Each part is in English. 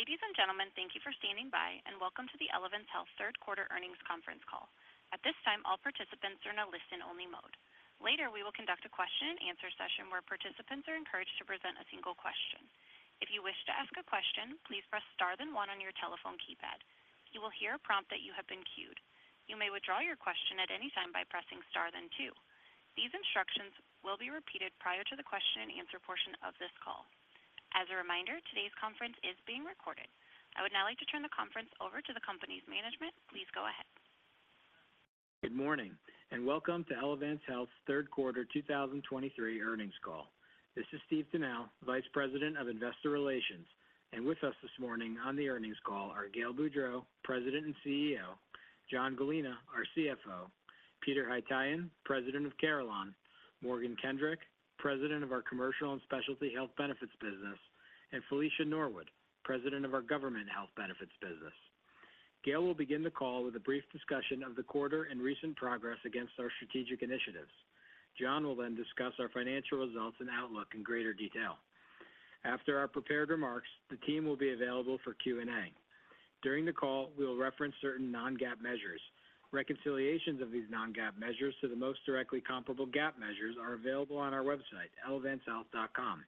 Ladies and gentlemen, thank you for standing by, and welcome to the Elevance Health third quarter earnings conference call. At this time, all participants are in a listen-only mode. Later, we will conduct a question-and-answer session where participants are encouraged to present a single question. If you wish to ask a question, please press star then one on your telephone keypad. You will hear a prompt that you have been queued. You may withdraw your question at any time by pressing star then two. These instructions will be repeated prior to the question-and-answer portion of this call. As a reminder, today's conference is being recorded. I would now like to turn the conference over to the company's management. Please go ahead. Good morning, and welcome to Elevance Health's third quarter 2023 earnings call. This is Steve Tanal, Vice President of Investor Relations, and with us this morning on the earnings call are Gail Boudreaux, President and CEO, John Gallina, our CFO, Peter Haytaian, President of Carelon, Morgan Kendrick, President of our Commercial and Specialty Health Benefits business, and Felicia Norwood, President of our Government Health Benefits business. Gail will begin the call with a brief discussion of the quarter and recent progress against our strategic initiatives. John will then discuss our financial results and outlook in greater detail. After our prepared remarks, the team will be available for Q&A. During the call, we will reference certain non-GAAP measures. Reconciliations of these non-GAAP measures to the most directly comparable GAAP measures are available on our website, elevancehealth.com.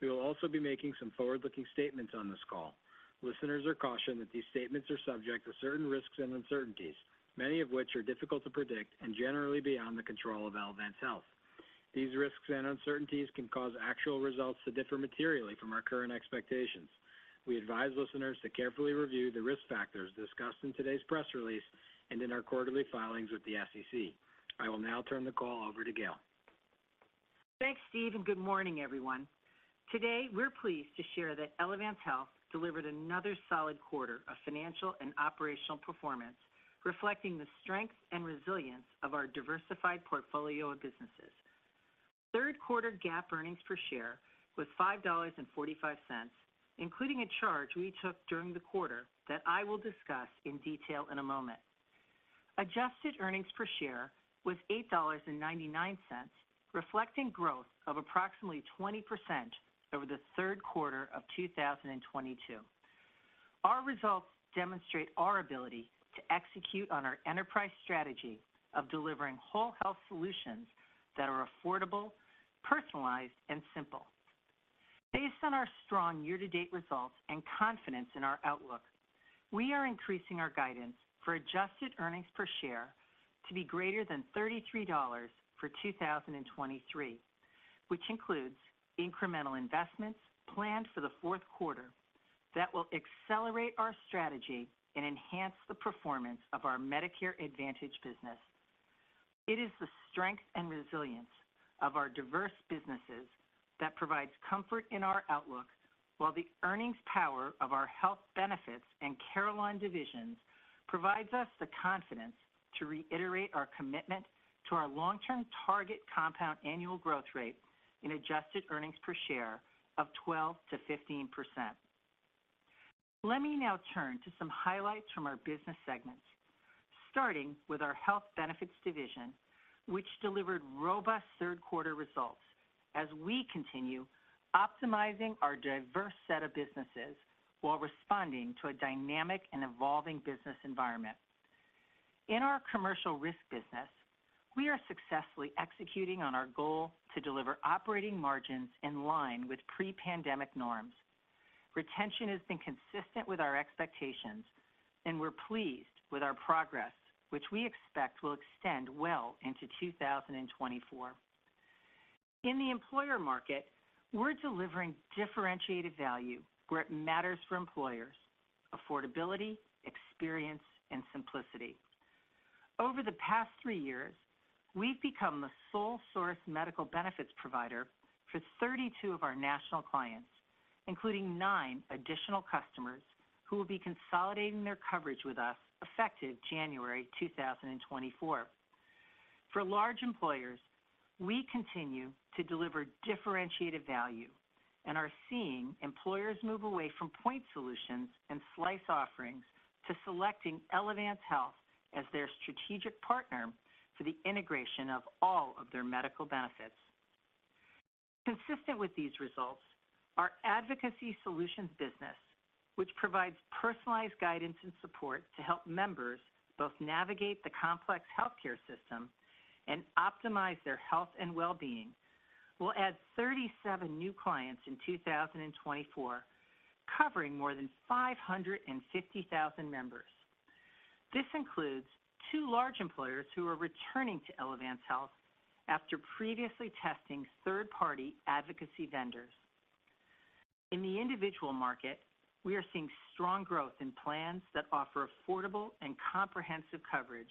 We will also be making some forward-looking statements on this call. Listeners are cautioned that these statements are subject to certain risks and uncertainties, many of which are difficult to predict and generally beyond the control of Elevance Health. These risks and uncertainties can cause actual results to differ materially from our current expectations. We advise listeners to carefully review the risk factors discussed in today's press release and in our quarterly filings with the SEC. I will now turn the call over to Gail. Thanks, Steve, and good morning, everyone. Today, we're pleased to share that Elevance Health delivered another solid quarter of financial and operational performance, reflecting the strength and resilience of our diversified portfolio of businesses. Third quarter GAAP earnings per share was $5.45, including a charge we took during the quarter that I will discuss in detail in a moment. Adjusted earnings per share was $8.99, reflecting growth of approximately 20% over the third quarter of 2022. Our results demonstrate our ability to execute on our enterprise strategy of delivering whole health solutions that are affordable, personalized, and simple. Based on our strong year-to-date results and confidence in our outlook, we are increasing our guidance for adjusted earnings per share to be greater than $33 for 2023, which includes incremental investments planned for the fourth quarter that will accelerate our strategy and enhance the performance of our Medicare Advantage business. It is the strength and resilience of our diverse businesses that provides comfort in our outlook, while the earnings power of our Health Benefits and Carelon divisions provides us the confidence to reiterate our commitment to our long-term target compound annual growth rate in adjusted earnings per share of 12%-15%. Let me now turn to some highlights from our business segments, starting with our Health Benefits division, which delivered robust third quarter results as we continue optimizing our diverse set of businesses while responding to a dynamic and evolving business environment. In our commercial risk business, we are successfully executing on our goal to deliver operating margins in line with pre-pandemic norms. Retention has been consistent with our expectations, and we're pleased with our progress, which we expect will extend well into 2024. In the employer market, we're delivering differentiated value where it matters for employers: affordability, experience, and simplicity. Over the past three years, we've become the sole source medical benefits provider for 32 of our national clients, including nine additional customers who will be consolidating their coverage with us effective January 2024. For large employers, we continue to deliver differentiated value and are seeing employers move away from point solutions and slice offerings to selecting Elevance Health as their strategic partner for the integration of all of their medical benefits. Consistent with these results, our advocacy solutions business, which provides personalized guidance and support to help members both navigate the complex healthcare system and optimize their health and well-being, will add 37 new clients in 2024, covering more than 550,000 members. This includes two large employers who are returning to Elevance Health after previously testing third-party advocacy vendors. In the individual market, we are seeing strong growth in plans that offer affordable and comprehensive coverage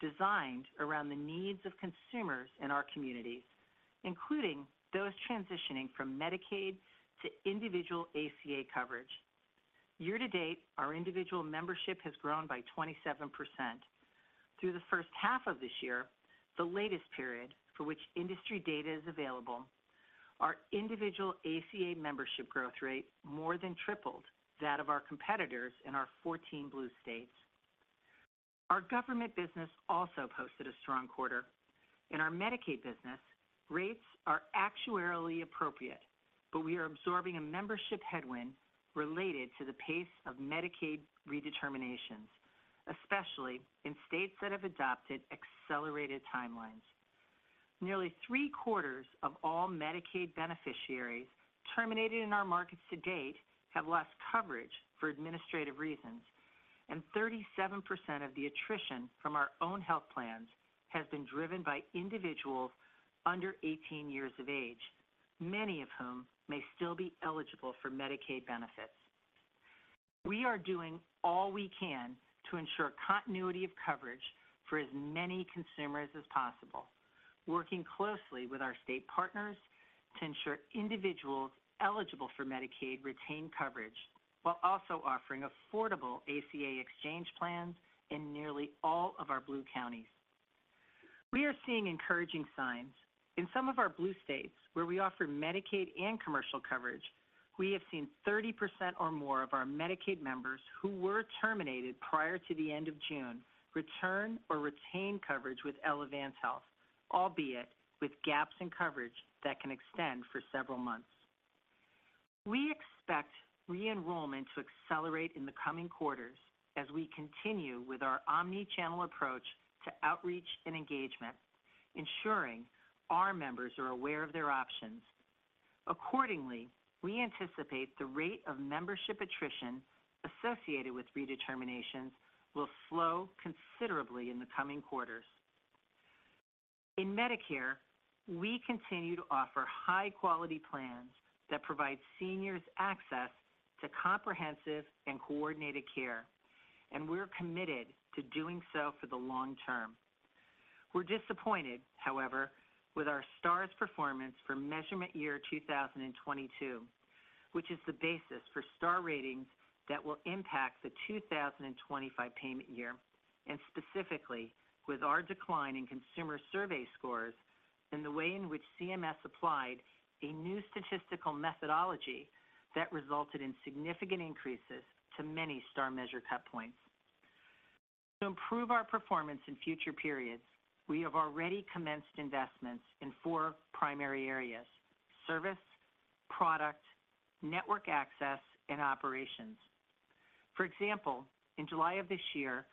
designed around the needs of consumers in our communities, including those transitioning from Medicaid to individual ACA coverage. Year-to-date, our individual membership has grown by 27%. Through the first half of this year, the latest period for which industry data is available, our individual ACA membership growth rate more than tripled that of our competitors in our 14 Blue states. Our government business also posted a strong quarter. In our Medicaid business, rates are actuarially appropriate, but we are absorbing a membership headwind related to the pace of Medicaid redeterminations, especially in states that have adopted accelerated timelines. Nearly three-quarters of all Medicaid beneficiaries terminated in our markets to date have lost coverage for administrative reasons, and 37% of the attrition from our own health plans has been driven by individuals under 18 years of age, many of whom may still be eligible for Medicaid benefits. We are doing all we can to ensure continuity of coverage for as many consumers as possible, working closely with our state partners to ensure individuals eligible for Medicaid retain coverage, while also offering affordable ACA exchange plans in nearly all of our Blue counties. We are seeing encouraging signs. In some of our Blue states, where we offer Medicaid and commercial coverage, we have seen 30% or more of our Medicaid members who were terminated prior to the end of June, return or retain coverage with Elevance Health, albeit with gaps in coverage that can extend for several months. We expect re-enrollment to accelerate in the coming quarters as we continue with our omni-channel approach to outreach and engagement, ensuring our members are aware of their options. Accordingly, we anticipate the rate of membership attrition associated with redeterminations will slow considerably in the coming quarters. In Medicare, we continue to offer high-quality plans that provide seniors access to comprehensive and coordinated care, and we're committed to doing so for the long term. We're disappointed, however, with our Stars performance for measurement year 2022, which is the basis for Star Ratings that will impact the 2025 payment year, and specifically with our decline in consumer survey scores and the way in which CMS applied a new statistical methodology that resulted in significant increases to many Star measure cut points. To improve our performance in future periods, we have already commenced investments in four primary areas: service, product, network access, and operations. For example, in July of this year,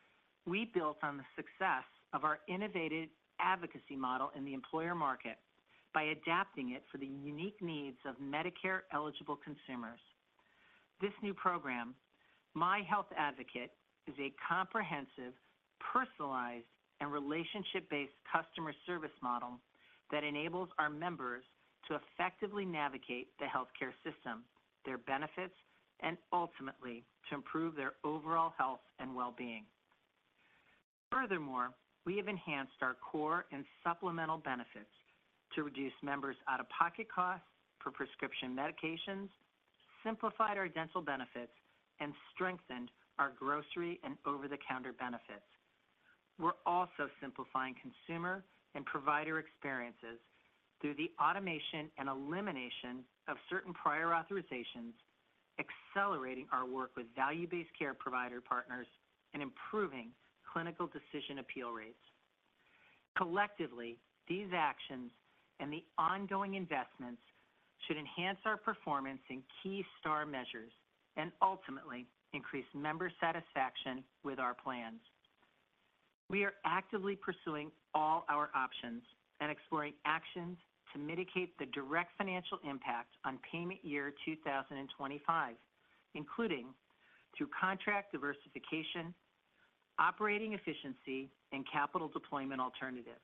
we built on the success of our innovative advocacy model in the employer market by adapting it for the unique needs of Medicare-eligible consumers. This new program, My Health Advocate, is a comprehensive, personalized, and relationship-based customer service model that enables our members to effectively navigate the healthcare system, their benefits, and ultimately to improve their overall health and well-being. Furthermore, we have enhanced our core and supplemental benefits to reduce members' out-of-pocket costs for prescription medications, simplified our dental benefits, and strengthened our grocery and over-the-counter benefits. We're also simplifying consumer and provider experiences through the automation and elimination of certain prior authorizations, accelerating our work with value-based care provider partners, and improving clinical decision appeal rates. Collectively, these actions and the ongoing investments should enhance our performance in key star measures and ultimately increase member satisfaction with our plans. We are actively pursuing all our options and exploring actions to mitigate the direct financial impact on payment year 2025, including through contract diversification, operating efficiency, and capital deployment alternatives.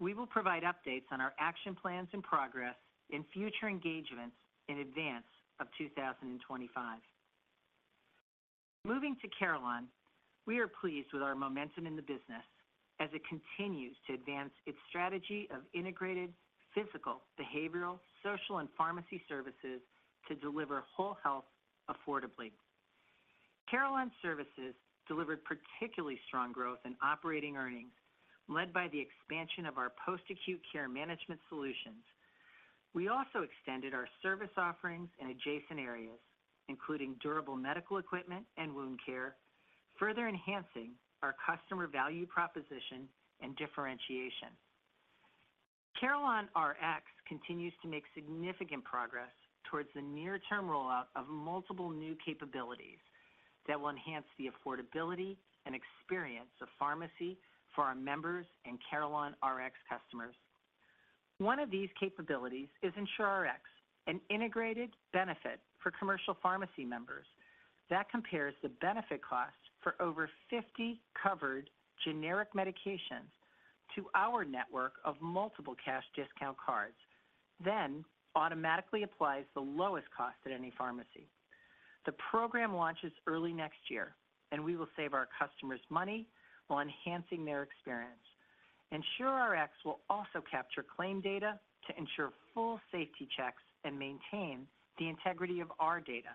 We will provide updates on our action plans and progress in future engagements in advance of 2025. Moving to Carelon, we are pleased with our momentum in the business as it continues to advance its strategy of integrated physical, behavioral, social, and pharmacy services to deliver whole health affordably. Carelon Services delivered particularly strong growth in operating earnings, led by the expansion of our post-acute care management solutions. We also extended our service offerings in adjacent areas, including durable medical equipment and wound care, further enhancing our customer value proposition and differentiation. CarelonRx continues to make significant progress towards the near-term rollout of multiple new capabilities that will enhance the affordability and experience of pharmacy for our members and CarelonRx customers. One of these capabilities is EnsureRx, an integrated benefit for commercial pharmacy members that compares the benefit costs for over 50 covered generic medications to our network of multiple cash discount cards, then automatically applies the lowest cost at any pharmacy. The program launches early next year, and we will save our customers money while enhancing their experience. EnsureRx will also capture claim data to ensure full safety checks and maintain the integrity of our data.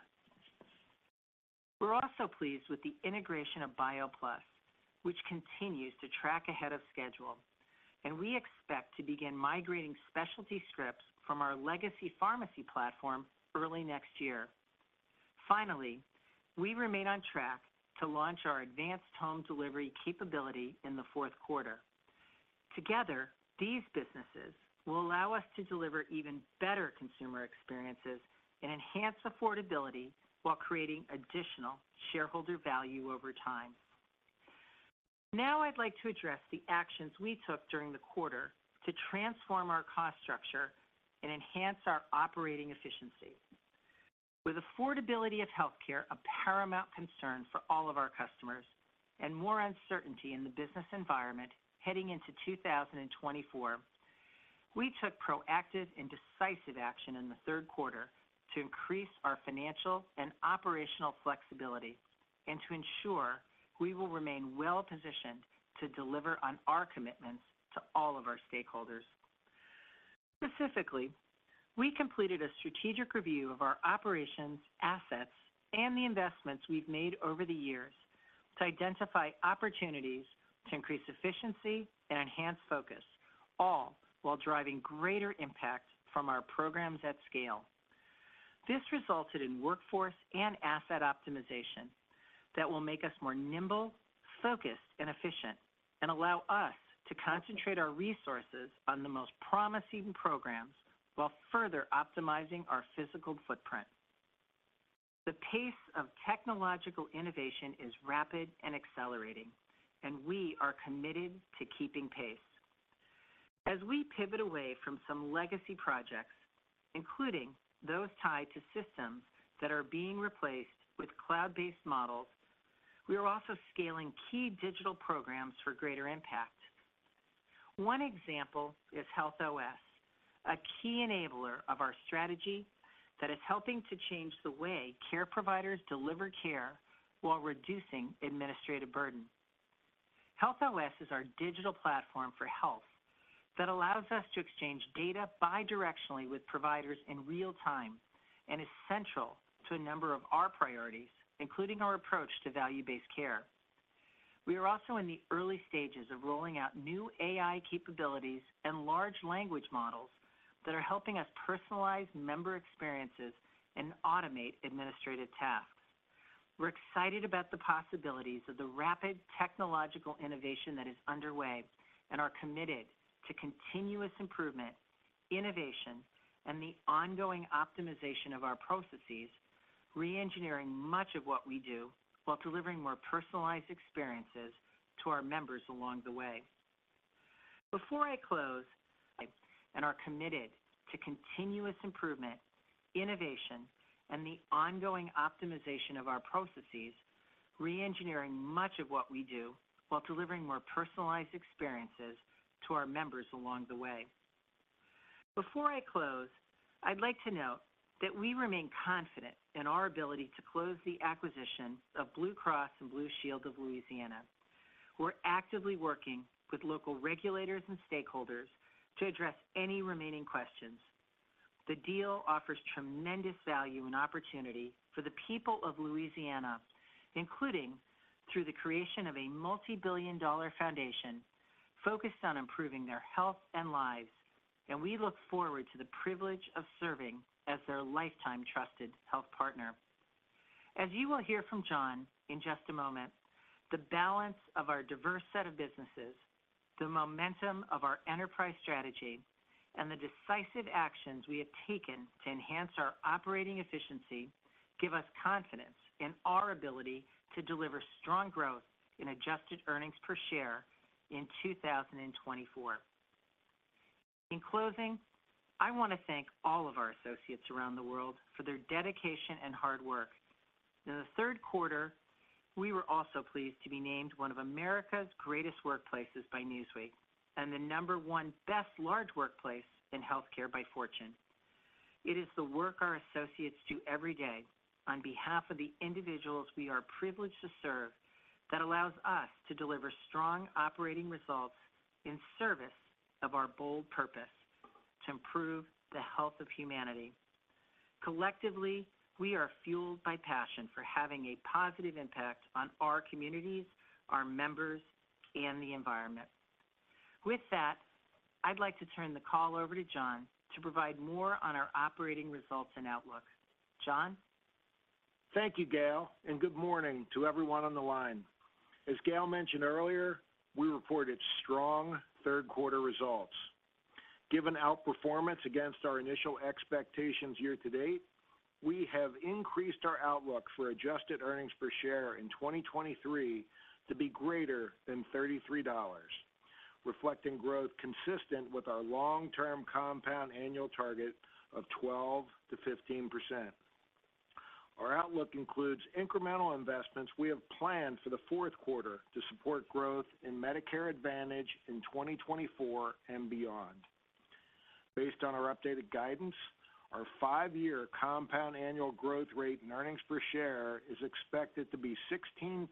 We're also pleased with the integration of BioPlus, which continues to track ahead of schedule, and we expect to begin migrating specialty scripts from our legacy pharmacy platform early next year. Finally, we remain on track to launch our advanced home delivery capability in the fourth quarter. Together, these businesses will allow us to deliver even better consumer experiences and enhance affordability while creating additional shareholder value over time. Now, I'd like to address the actions we took during the quarter to transform our cost structure and enhance our operating efficiency. With affordability of healthcare a paramount concern for all of our customers, and more uncertainty in the business environment heading into 2024, we took proactive and decisive action in the third quarter to increase our financial and operational flexibility, and to ensure we will remain well-positioned to deliver on our commitments to all of our stakeholders. Specifically, we completed a strategic review of our operations, assets, and the investments we've made over the years to identify opportunities to increase efficiency and enhance focus, all while driving greater impact from our programs at scale. This resulted in workforce and asset optimization that will make us more nimble, focused, and efficient, and allow us to concentrate our resources on the most promising programs while further optimizing our physical footprint. The pace of technological innovation is rapid and accelerating, and we are committed to keeping pace. As we pivot away from some legacy projects, including those tied to systems that are being replaced with cloud-based models, we are also scaling key digital programs for greater impact. One example is Health OS, a key enabler of our strategy that is helping to change the way care providers deliver care while reducing administrative burden. Health OS is our digital platform for health that allows us to exchange data bidirectionally with providers in real time, and essential to a number of our priorities, including our approach to value-based care. We are also in the early stages of rolling out new AI capabilities and large language models that are helping us personalize member experiences and automate administrative tasks. We're excited about the possibilities of the rapid technological innovation that is underway, and are committed to continuous improvement, innovation, and the ongoing optimization of our processes, reengineering much of what we do while delivering more personalized experiences to our members along the way. Before I close, I'd like to note that we remain confident in our ability to close the acquisition of Blue Cross and Blue Shield of Louisiana. We're actively working with local regulators and stakeholders to address any remaining questions. The deal offers tremendous value and opportunity for the people of Louisiana, including through the creation of a multibillion-dollar foundation focused on improving their health and lives, and we look forward to the privilege of serving as their lifetime trusted health partner. As you will hear from John in just a moment, the balance of our diverse set of businesses, the momentum of our enterprise strategy, and the decisive actions we have taken to enhance our operating efficiency, give us confidence in our ability to deliver strong growth in adjusted earnings per share in 2024. In closing, I want to thank all of our associates around the world for their dedication and hard work. In the third quarter, we were also pleased to be named one of America's Greatest Workplaces by Newsweek, and the number one Best Large Workplace in Healthcare by Fortune. It is the work our associates do every day on behalf of the individuals we are privileged to serve, that allows us to deliver strong operating results in service of our bold purpose: to improve the health of humanity. Collectively, we are fueled by passion for having a positive impact on our communities, our members, and the environment. With that, I'd like to turn the call over to John to provide more on our operating results and outlook. John? Thank you, Gail, and good morning to everyone on the line. As Gail mentioned earlier, we reported strong third quarter results. Given outperformance against our initial expectations year to date, we have increased our outlook for adjusted earnings per share in 2023 to be greater than $33, reflecting growth consistent with our long-term compound annual target of 12%-15%. Our outlook includes incremental investments we have planned for the fourth quarter to support growth in Medicare Advantage in 2024 and beyond. Based on our updated guidance, our five -year compound annual growth rate and earnings per share is expected to be 16%,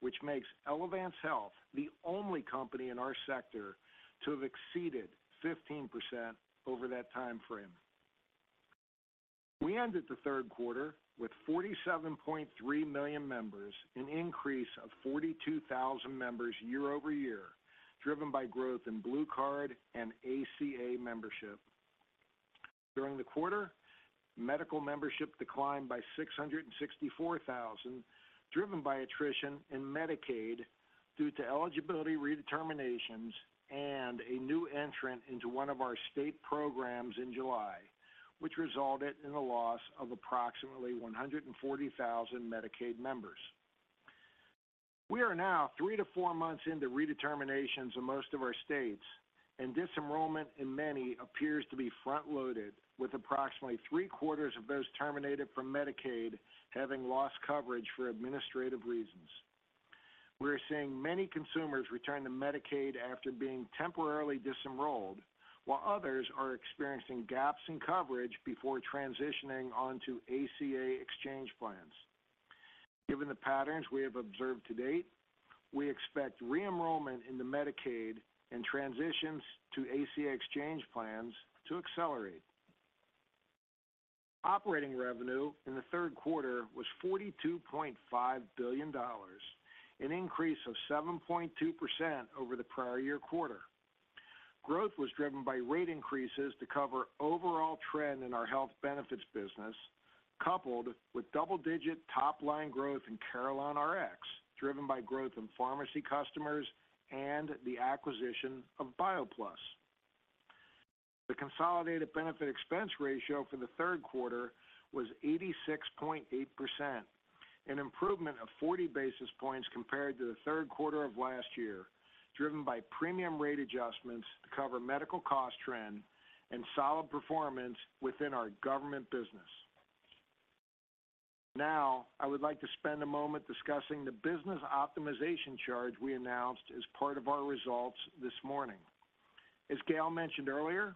which makes Elevance Health the only company in our sector to have exceeded 15% over that time frame. We ended the third quarter with 47.3 million members, an increase of 42,000 members year-over-year driven by growth in BlueCard and ACA membership. During the quarter, medical membership declined by 664,000, driven by attrition in Medicaid due to eligibility redeterminations and a new entrant into one of our state programs in July, which resulted in a loss of approximately 140,000 Medicaid members. We are now 3-4 months into redeterminations in most of our states, and disenrollment in many appears to be front-loaded, with approximately three-quarters of those terminated from Medicaid having lost coverage for administrative reasons. We are seeing many consumers return to Medicaid after being temporarily disenrolled, while others are experiencing gaps in coverage before transitioning onto ACA exchange plans. Given the patterns we have observed to date, we expect re-enrollment into Medicaid and transitions to ACA exchange plans to accelerate. Operating revenue in the third quarter was $42.5 billion, an increase of 7.2% over the prior year quarter. Growth was driven by rate increases to cover overall trend in our Health Benefits business, coupled with double-digit top-line growth in CarelonRx, driven by growth in pharmacy customers and the acquisition of BioPlus. The consolidated benefit expense ratio for the third quarter was 86.8%, an improvement of 40 basis points compared to the third quarter of last year, driven by premium rate adjustments to cover medical cost trend and solid performance within our government business. Now, I would like to spend a moment discussing the business optimization charge we announced as part of our results this morning. As Gail mentioned earlier,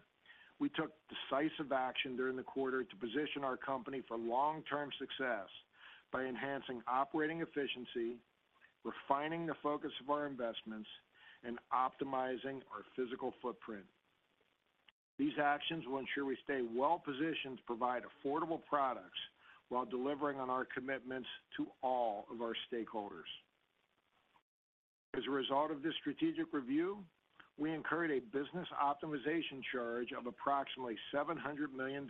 we took decisive action during the quarter to position our company for long-term success by enhancing operating efficiency, refining the focus of our investments, and optimizing our physical footprint. These actions will ensure we stay well positioned to provide affordable products while delivering on our commitments to all of our stakeholders. As a result of this strategic review, we incurred a business optimization charge of approximately $700 million,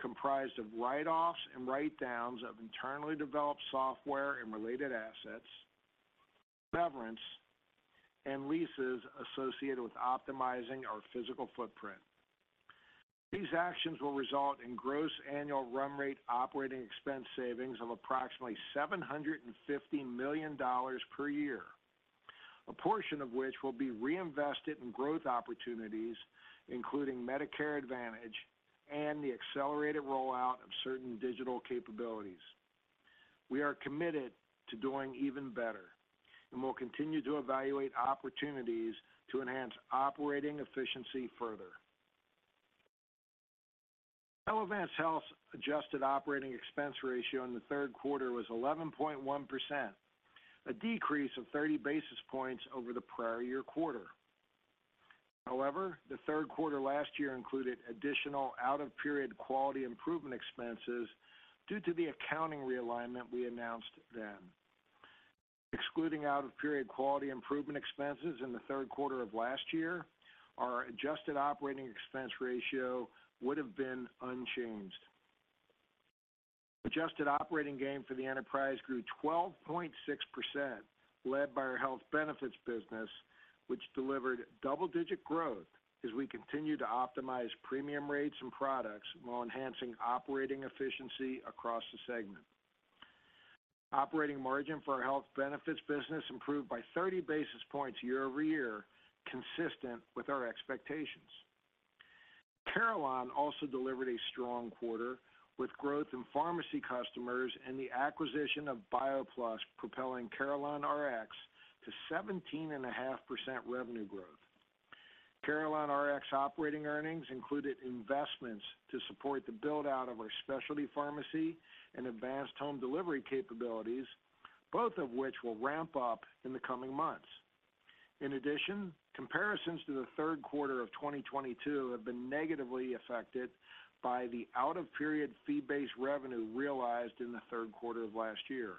comprised of write-offs and write-downs of internally developed software and related assets, severance, and leases associated with optimizing our physical footprint. These actions will result in gross annual run rate operating expense savings of approximately $750 million per year, a portion of which will be reinvested in growth opportunities, including Medicare Advantage and the accelerated rollout of certain digital capabilities. We are committed to doing even better, and we'll continue to evaluate opportunities to enhance operating efficiency further. Elevance Health's adjusted operating expense ratio in the third quarter was 11.1%, a decrease of 30 basis points over the prior-year quarter. However, the third quarter last year included additional out-of-period quality improvement expenses due to the accounting realignment we announced then. Excluding out-of-period quality improvement expenses in the third quarter of last year, our adjusted operating expense ratio would have been unchanged. Adjusted operating gain for the enterprise grew 12.6%, led by our Health Benefits business, which delivered double-digit growth as we continue to optimize premium rates and products while enhancing operating efficiency across the segment. Operating margin for our Health Benefits business improved by 30 basis points year-over-year, consistent with our expectations. Carelon also delivered a strong quarter, with growth in pharmacy customers and the acquisition of BioPlus, propelling CarelonRx to 17.5% revenue growth. CarelonRx operating earnings included investments to support the build-out of our specialty pharmacy and advanced home delivery capabilities, both of which will ramp up in the coming months. In addition, comparisons to the third quarter of 2022 have been negatively affected by the out-of-period fee-based revenue realized in the third quarter of last year.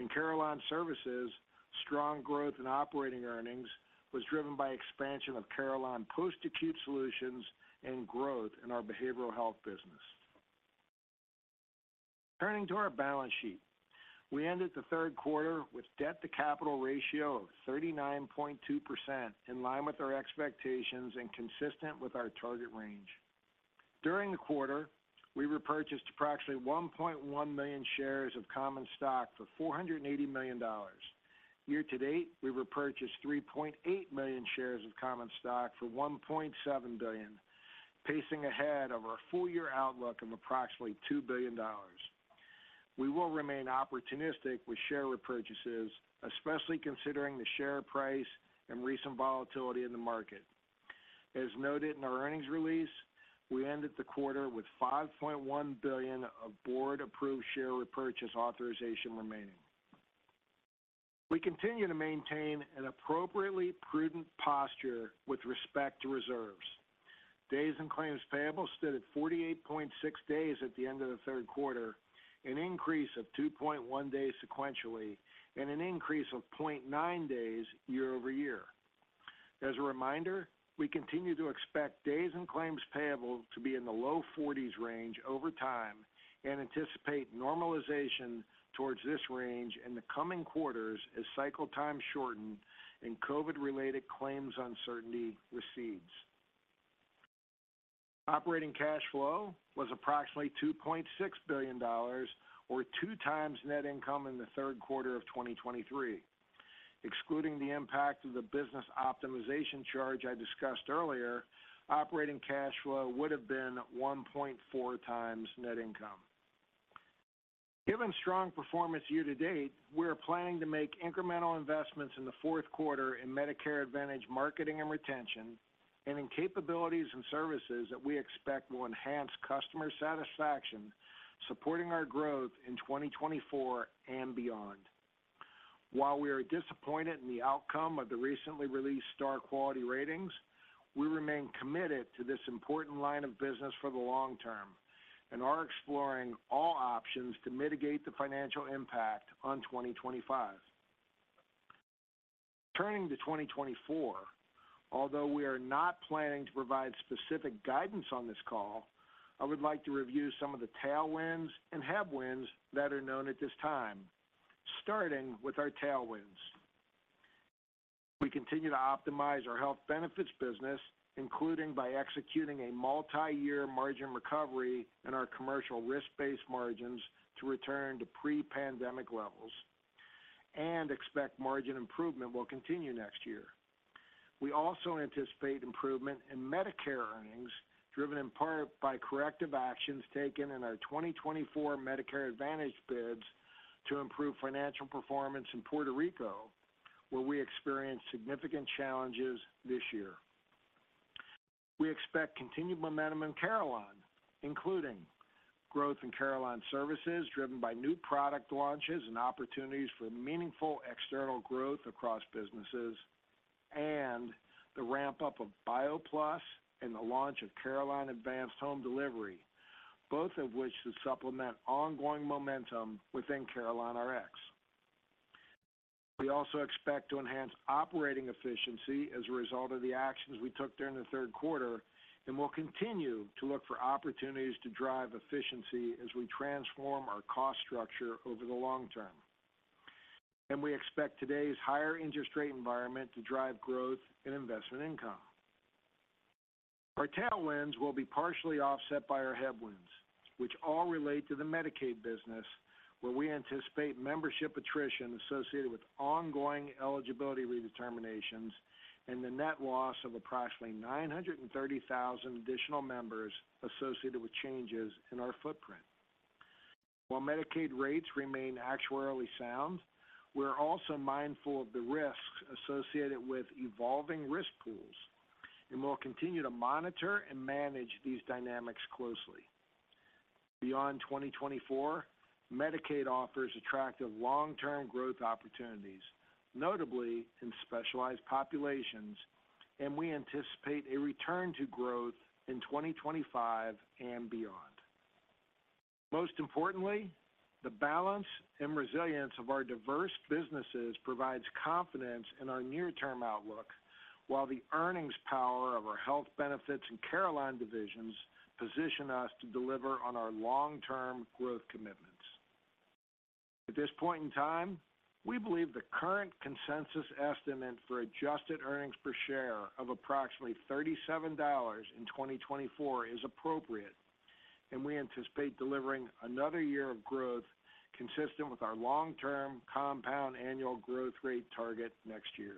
In Carelon services, strong growth in operating earnings was driven by expansion of Carelon Post-Acute Solutions and growth in our behavioral health business. Turning to our balance sheet. We ended the third quarter with debt to capital ratio of 39.2%, in line with our expectations and consistent with our target range. During the quarter, we repurchased approximately 1.1 million shares of common stock for $480 million. Year to date, we repurchased 3.8 million shares of common stock for $1.7 billion, pacing ahead of our full-year outlook of approximately $2 billion. We will remain opportunistic with share repurchases, especially considering the share price and recent volatility in the market. As noted in our earnings release, we ended the quarter with $5.1 billion of board-approved share repurchase authorization remaining. We continue to maintain an appropriately prudent posture with respect to reserves. Days in Claims Payable stood at 48.6 days at the end of the third quarter, an increase of 2.1 days sequentially, and an increase of 0.9 days year-over-year. As a reminder, we continue to expect days in claims payable to be in the low 40s range over time, and anticipate normalization towards this range in the coming quarters as cycle times shorten and COVID-related claims uncertainty recedes. Operating cash flow was approximately $2.6 billion, or 2x net income in the third quarter of 2023. Excluding the impact of the business optimization charge I discussed earlier, operating cash flow would have been 1.4 times net income. Given strong performance year to date, we are planning to make incremental investments in the fourth quarter in Medicare Advantage marketing and retention, and in capabilities and services that we expect will enhance customer satisfaction, supporting our growth in 2024 and beyond. While we are disappointed in the outcome of the recently released Star Ratings, we remain committed to this important line of business for the long term and are exploring all options to mitigate the financial impact on 2025. Turning to 2024, although we are not planning to provide specific guidance on this call, I would like to review some of the tailwinds and headwinds that are known at this time, starting with our tailwinds. We continue to optimize our Health Benefits business, including by executing a multiyear margin recovery in our commercial risk-based margins to return to pre-pandemic levels, and expect margin improvement will continue next year. We also anticipate improvement in Medicare earnings, driven in part by corrective actions taken in our 2024 Medicare Advantage bids to improve financial performance in Puerto Rico, where we experienced significant challenges this year. We expect continued momentum in Carelon, including growth in Carelon Services, driven by new product launches and opportunities for meaningful external growth across businesses, and the ramp-up of BioPlus and the launch of Carelon Advanced Home Delivery, both of which should supplement ongoing momentum within CarelonRx. We also expect to enhance operating efficiency as a result of the actions we took during the third quarter, and will continue to look for opportunities to drive efficiency as we transform our cost structure over the long term. And we expect today's higher interest rate environment to drive growth in investment income. Our tailwinds will be partially offset by our headwinds, which all relate to the Medicaid business, where we anticipate membership attrition associated with ongoing eligibility redeterminations and the net loss of approximately 930,000 additional members associated with changes in our footprint. While Medicaid rates remain actuarially sound, we're also mindful of the risks associated with evolving risk pools, and we'll continue to monitor and manage these dynamics closely. Beyond 2024, Medicaid offers attractive long-term growth opportunities, notably in specialized populations, and we anticipate a return to growth in 2025 and beyond. Most importantly, the balance and resilience of our diverse businesses provides confidence in our near-term outlook, while the earnings power of our Health Benefits and Carelon divisions position us to deliver on our long-term growth commitments. At this point in time, we believe the current consensus estimate for adjusted earnings per share of approximately $37 in 2024 is appropriate, and we anticipate delivering another year of growth consistent with our long-term compound annual growth rate target next year.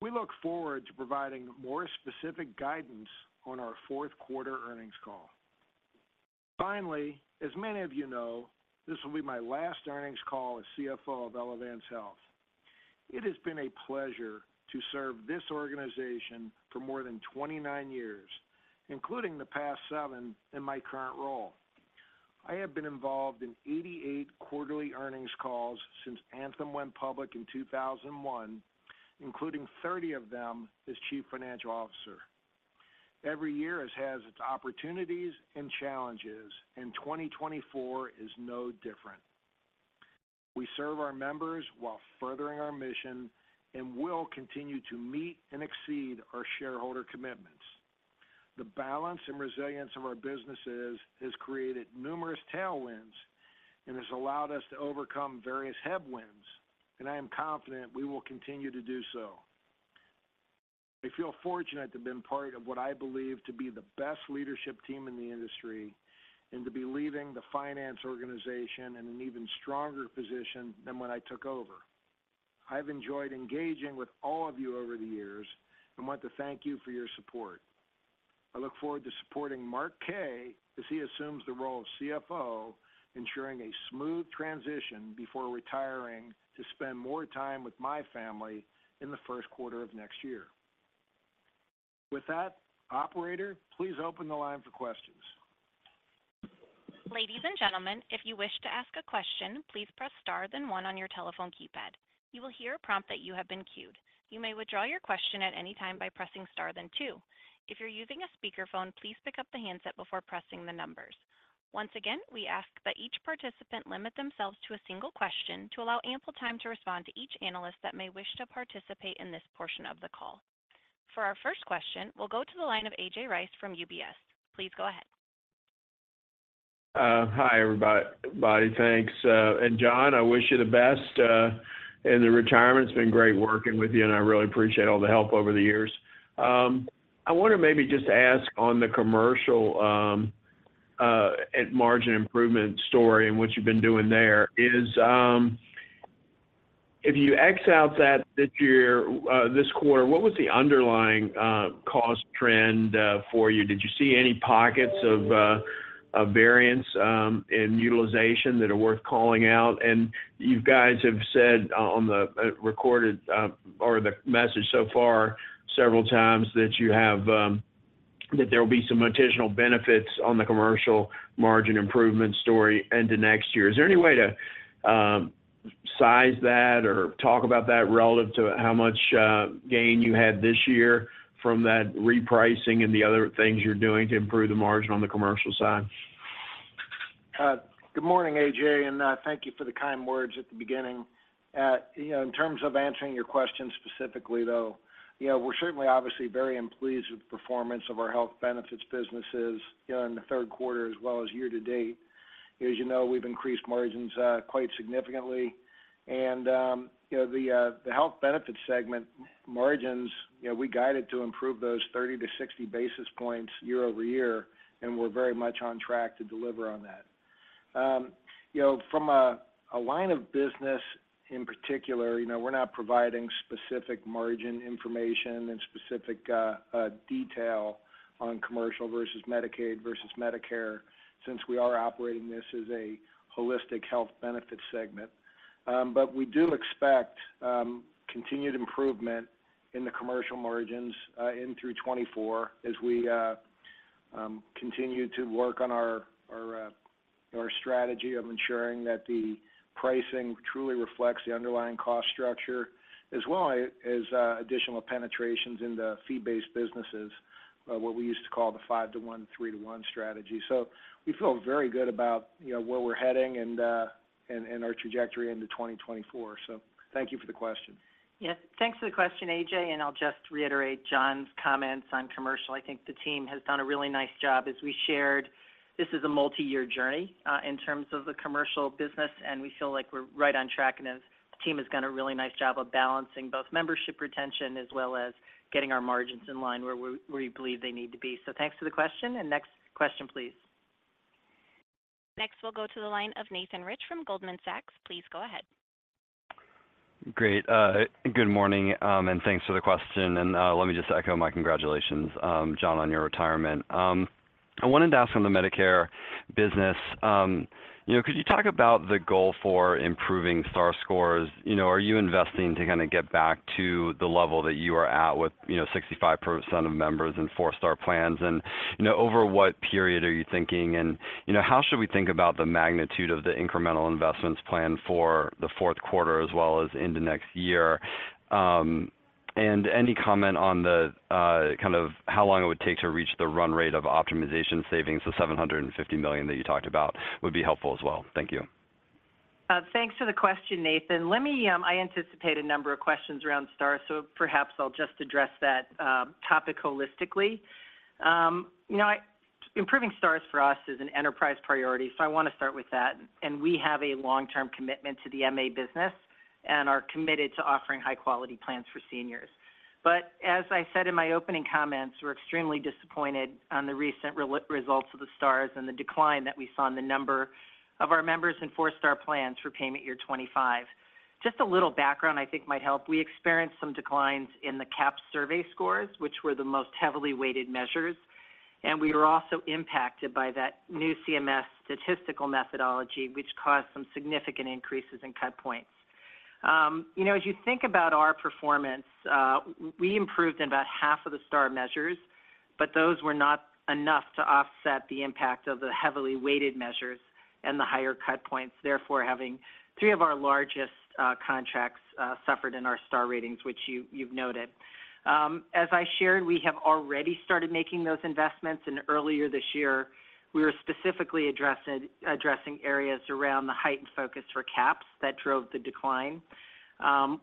We look forward to providing more specific guidance on our fourth quarter earnings call. Finally, as many of you know, this will be my last earnings call as CFO of Elevance Health. It has been a pleasure to serve this organization for more than 29 years, including the past seven in my current role. I have been involved in 88 quarterly earnings calls since Anthem went public in 2001, including 30 of them as Chief Financial Officer. Every year has its opportunities and challenges, and 2024 is no different. We serve our members while furthering our mission and will continue to meet and exceed our shareholder commitments. The balance and resilience of our businesses has created numerous tailwinds and has allowed us to overcome various headwinds, and I am confident we will continue to do so. I feel fortunate to have been part of what I believe to be the best leadership team in the industry, and to be leaving the finance organization in an even stronger position than when I took over. I've enjoyed engaging with all of you over the years, and want to thank you for your support. I look forward to supporting Mark Kaye as he assumes the role of CFO, ensuring a smooth transition before retiring to spend more time with my family in the first quarter of next year. With that, operator, please open the line for questions. Ladies and gentlemen, if you wish to ask a question, please press Star, then one on your telephone keypad. You will hear a prompt that you have been queued. You may withdraw your question at any time by pressing Star, then two. If you're using a speakerphone, please pick up the handset before pressing the numbers. Once again, we ask that each participant limit themselves to a single question to allow ample time to respond to each analyst that may wish to participate in this portion of the call. For our first question, we'll go to the line of A.J. Rice from UBS. Please go ahead. Hi, everybody. Thanks. And John, I wish you the best in the retirement. It's been great working with you, and I really appreciate all the help over the years. I want to maybe just ask on the commercial margin improvement story and what you've been doing there, is, if you X out that this year this quarter, what was the underlying cost trend for you? Did you see any pockets of variance in utilization that are worth calling out? And you guys have said on the recorded or the message so far several times that you have that there will be some additional benefits on the commercial margin improvement story into next year. Is there any way to size that or talk about that relative to how much gain you had this year from that repricing and the other things you're doing to improve the margin on the commercial side? Good morning, A.J., and thank you for the kind words at the beginning. You know, in terms of answering your question specifically, though, you know, we're certainly obviously very pleased with the performance of our Health Benefits businesses, you know, in the third quarter as well as year to date. As you know, we've increased margins quite significantly. You know, the health benefit segment margins, you know, we guided to improve those 30-60 basis points year-over-year, and we're very much on track to deliver on that. You know, from a line of business in particular, you know, we're not providing specific margin information and specific detail on commercial versus Medicaid versus Medicare, since we are operating this as a holistic health benefit segment. But we do expect continued improvement in the commercial margins into 2024 as we continue to work on our strategy of ensuring that the pricing truly reflects the underlying cost structure, as well as additional penetrations in the fee-based businesses, what we used to call the five to one, three to one strategy. So we feel very good about, you know, where we're heading and our trajectory into 2024. So thank you for the question. Yes, thanks for the question, AJ, and I'll just reiterate John's comments on commercial. I think the team has done a really nice job. As we shared, this is a multi-year journey in terms of the commercial business, and we feel like we're right on track, and the team has done a really nice job of balancing both membership retention as well as getting our margins in line where we, where we believe they need to be. So thanks for the question. And next question, please. Next, we'll go to the line of Nathan Rich from Goldman Sachs. Please go ahead. Great. Good morning, and thanks for the question. Let me just echo my congratulations, John, on your retirement. I wanted to ask on the Medicare business, you know, could you talk about the goal for improving Star scores? You know, are you investing to kind of get back to the level that you are at with, you know, 65% of members in four Star plans? You know, over what period are you thinking? You know, how should we think about the magnitude of the incremental investments planned for the fourth quarter as well as into next year? Any comment on the kind of how long it would take to reach the run rate of optimization savings, the $750 million that you talked about, would be helpful as well. Thank you. Thanks for the question, Nathan. Let me, I anticipate a number of questions around stars, so perhaps I'll just address that topic holistically. You know, improving stars for us is an enterprise priority, so I want to start with that. And we have a long-term commitment to the MA business and are committed to offering high-quality plans for seniors. But as I said in my opening comments, we're extremely disappointed on the recent results of the stars and the decline that we saw in the number of our members in four-star plans for payment year 2025. Just a little background, I think, might help. We experienced some declines in the CAHPS survey scores, which were the most heavily weighted measures, and we were also impacted by that new CMS statistical methodology, which caused some significant increases in cut points. You know, as you think about our performance, we improved in about half of the Star measures, but those were not enough to offset the impact of the heavily weighted measures and the higher cut points, therefore, having three of our largest contracts suffered in our Star ratings, which you've noted. As I shared, we have already started making those investments, and earlier this year, we were specifically addressing areas around the heightened focus for CAHPS that drove the decline.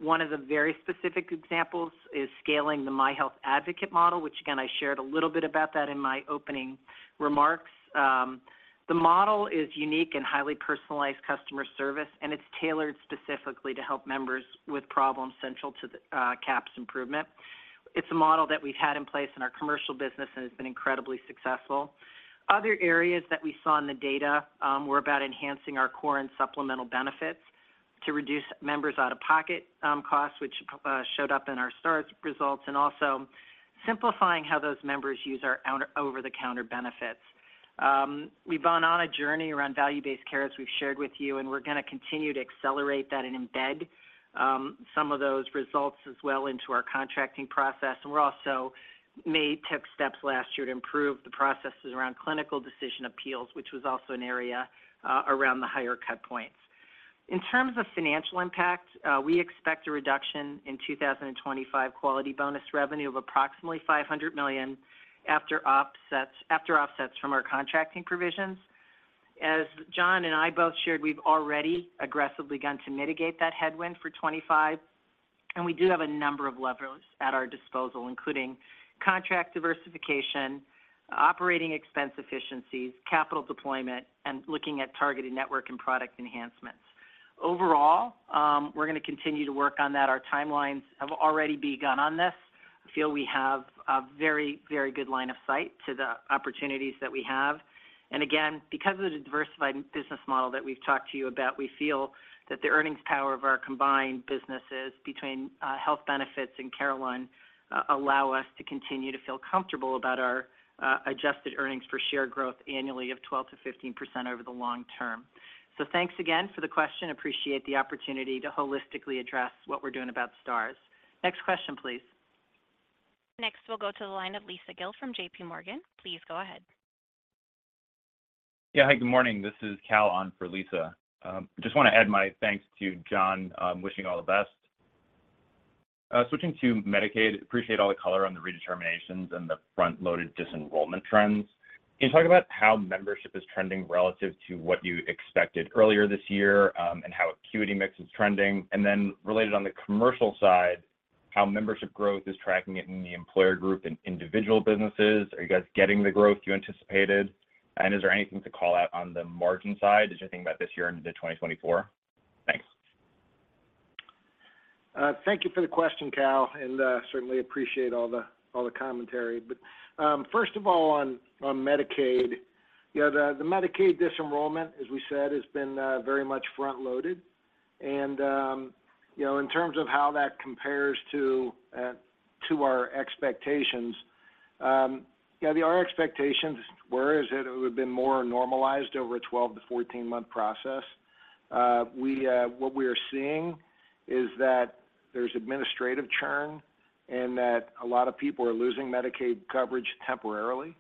One of the very specific examples is scaling the My Health Advocate model, which again, I shared a little bit about that in my opening remarks. The model is unique and highly personalized customer service, and it's tailored specifically to help members with problems central to the CAHPS improvement. It's a model that we've had in place in our commercial business, and it's been incredibly successful. Other areas that we saw in the data were about enhancing our core and supplemental benefits to reduce members' out-of-pocket costs, which showed up in our stars results, and also simplifying how those members use our over-the-counter benefits. We've gone on a journey around value-based care, as we've shared with you, and we're going to continue to accelerate that and embed some of those results as well into our contracting process. And we also took steps last year to improve the processes around clinical decision appeals, which was also an area around the higher cut points. In terms of financial impact, we expect a reduction in 2025 quality bonus revenue of approximately $500 million after offsets, after offsets from our contracting provisions. As John and I both shared, we've already aggressively begun to mitigate that headwind for 25, and we do have a number of levers at our disposal, including contract diversification, operating expense efficiencies, capital deployment, and looking at targeted network and product enhancements. Overall, we're gonna continue to work on that. Our timelines have already begun on this. I feel we have a very, very good line of sight to the opportunities that we have. And again, because of the diversified business model that we've talked to you about, we feel that the earnings power of our combined businesses between Health Benefits and Carelon allow us to continue to feel comfortable about our adjusted earnings per share growth annually of 12%-15% over the long term. So thanks again for the question. Appreciate the opportunity to holistically address what we're doing about Stars. Next question, please. Next, we'll go to the line of Lisa Gill from JP Morgan. Please go ahead. Yeah. Hi, good morning. This is Cal on for Lisa. Just want to add my thanks to John. I'm wishing you all the best. Switching to Medicaid, appreciate all the color on the redeterminations and the front-loaded disenrollment trends. Can you talk about how membership is trending relative to what you expected earlier this year, and how acuity mix is trending? And then related on the commercial side, how membership growth is tracking it in the employer group and individual businesses. Are you guys getting the growth you anticipated? And is there anything to call out on the margin side as you think about this year into 2024? Thanks. Thank you for the question, Cal, and certainly appreciate all the, all the commentary. But first of all, on Medicaid, yeah, the Medicaid disenrollment, as we said, has been very much front-loaded. And you know, in terms of how that compares to our expectations, yeah, our expectations were that it would have been more normalized over a 12 to 14-month process. What we are seeing is that there's administrative churn and that a lot of people are losing Medicaid coverage temporarily,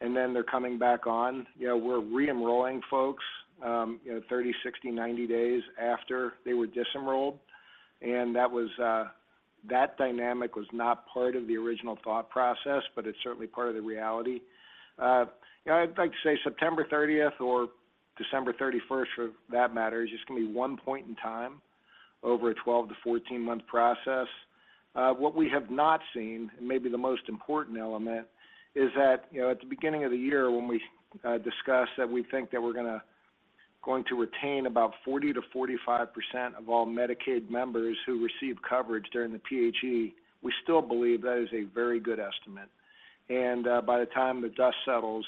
and then they're coming back on. You know, we're re-enrolling folks, you know, 30, 60, 90 days after they were disenrolled. And that dynamic was not part of the original thought process, but it's certainly part of the reality. You know, I'd like to say September 30th or December 31st, for that matter, is just going to be one point in time over a 12 to 14-month process. What we have not seen, and maybe the most important element, is that, you know, at the beginning of the year, when we discussed that we think that we're going to retain about 40%-45% of all Medicaid members who received coverage during the PHE, we still believe that is a very good estimate. And, by the time the dust settles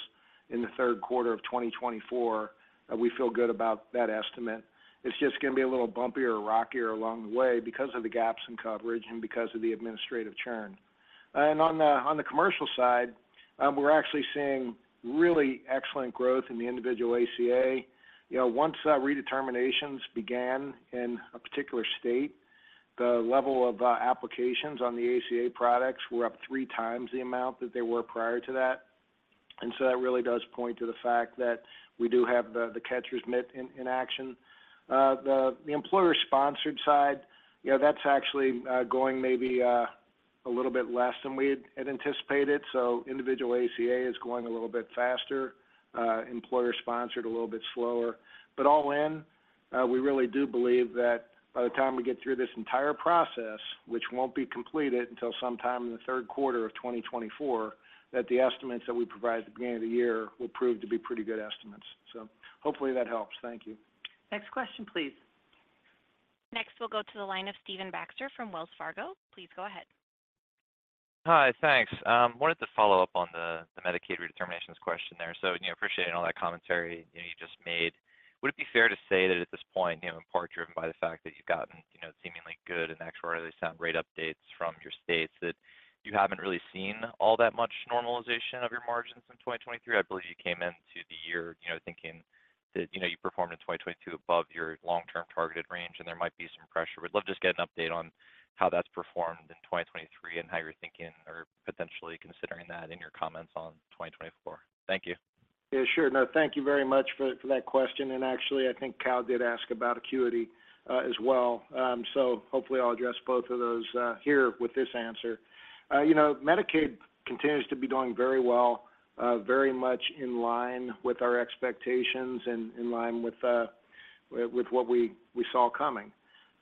in the third quarter of 2024, we feel good about that estimate. It's just going to be a little bumpier or rockier along the way because of the gaps in coverage and because of the administrative churn. On the commercial side, we're actually seeing really excellent growth in the individual ACA. You know, once that redeterminations began in a particular state, the level of applications on the ACA products were up three times the amount that they were prior to that. And so that really does point to the fact that we do have the catcher's mitt in action. The employer-sponsored side, you know, that's actually going maybe a little bit less than we had anticipated. So individual ACA is going a little bit faster, employer-sponsored, a little bit slower. But all in, we really do believe that by the time we get through this entire process, which won't be completed until sometime in the third quarter of 2024, that the estimates that we provide at the beginning of the year will prove to be pretty good estimates. So hopefully that helps. Thank you. Next question, please. Next, we'll go to the line of Stephen Baxter from Wells Fargo. Please go ahead. Hi, thanks. Wanted to follow up on the Medicaid redeterminations question there. So, you know, appreciating all that commentary, you know, you just made, would it be fair to say that at this point, you know, in part driven by the fact that you've gotten, you know, seemingly good and actuarially sound rate updates from your states, that you haven't really seen all that much normalization of your margins in 2023? I believe you came into the year, you know, thinking that, you know, you performed in 2022 above your long-term targeted range, and there might be some pressure. Would love just get an update on how that's performed in 2023 and how you're thinking or potentially considering that in your comments on 2024. Thank you. Yeah, sure. No, thank you very much for, for that question. And actually, I think Cal did ask about acuity, as well. So hopefully I'll address both of those, here with this answer. You know, Medicaid continues to be doing very well, very much in line with our expectations and in line with, with, with what we, we saw coming.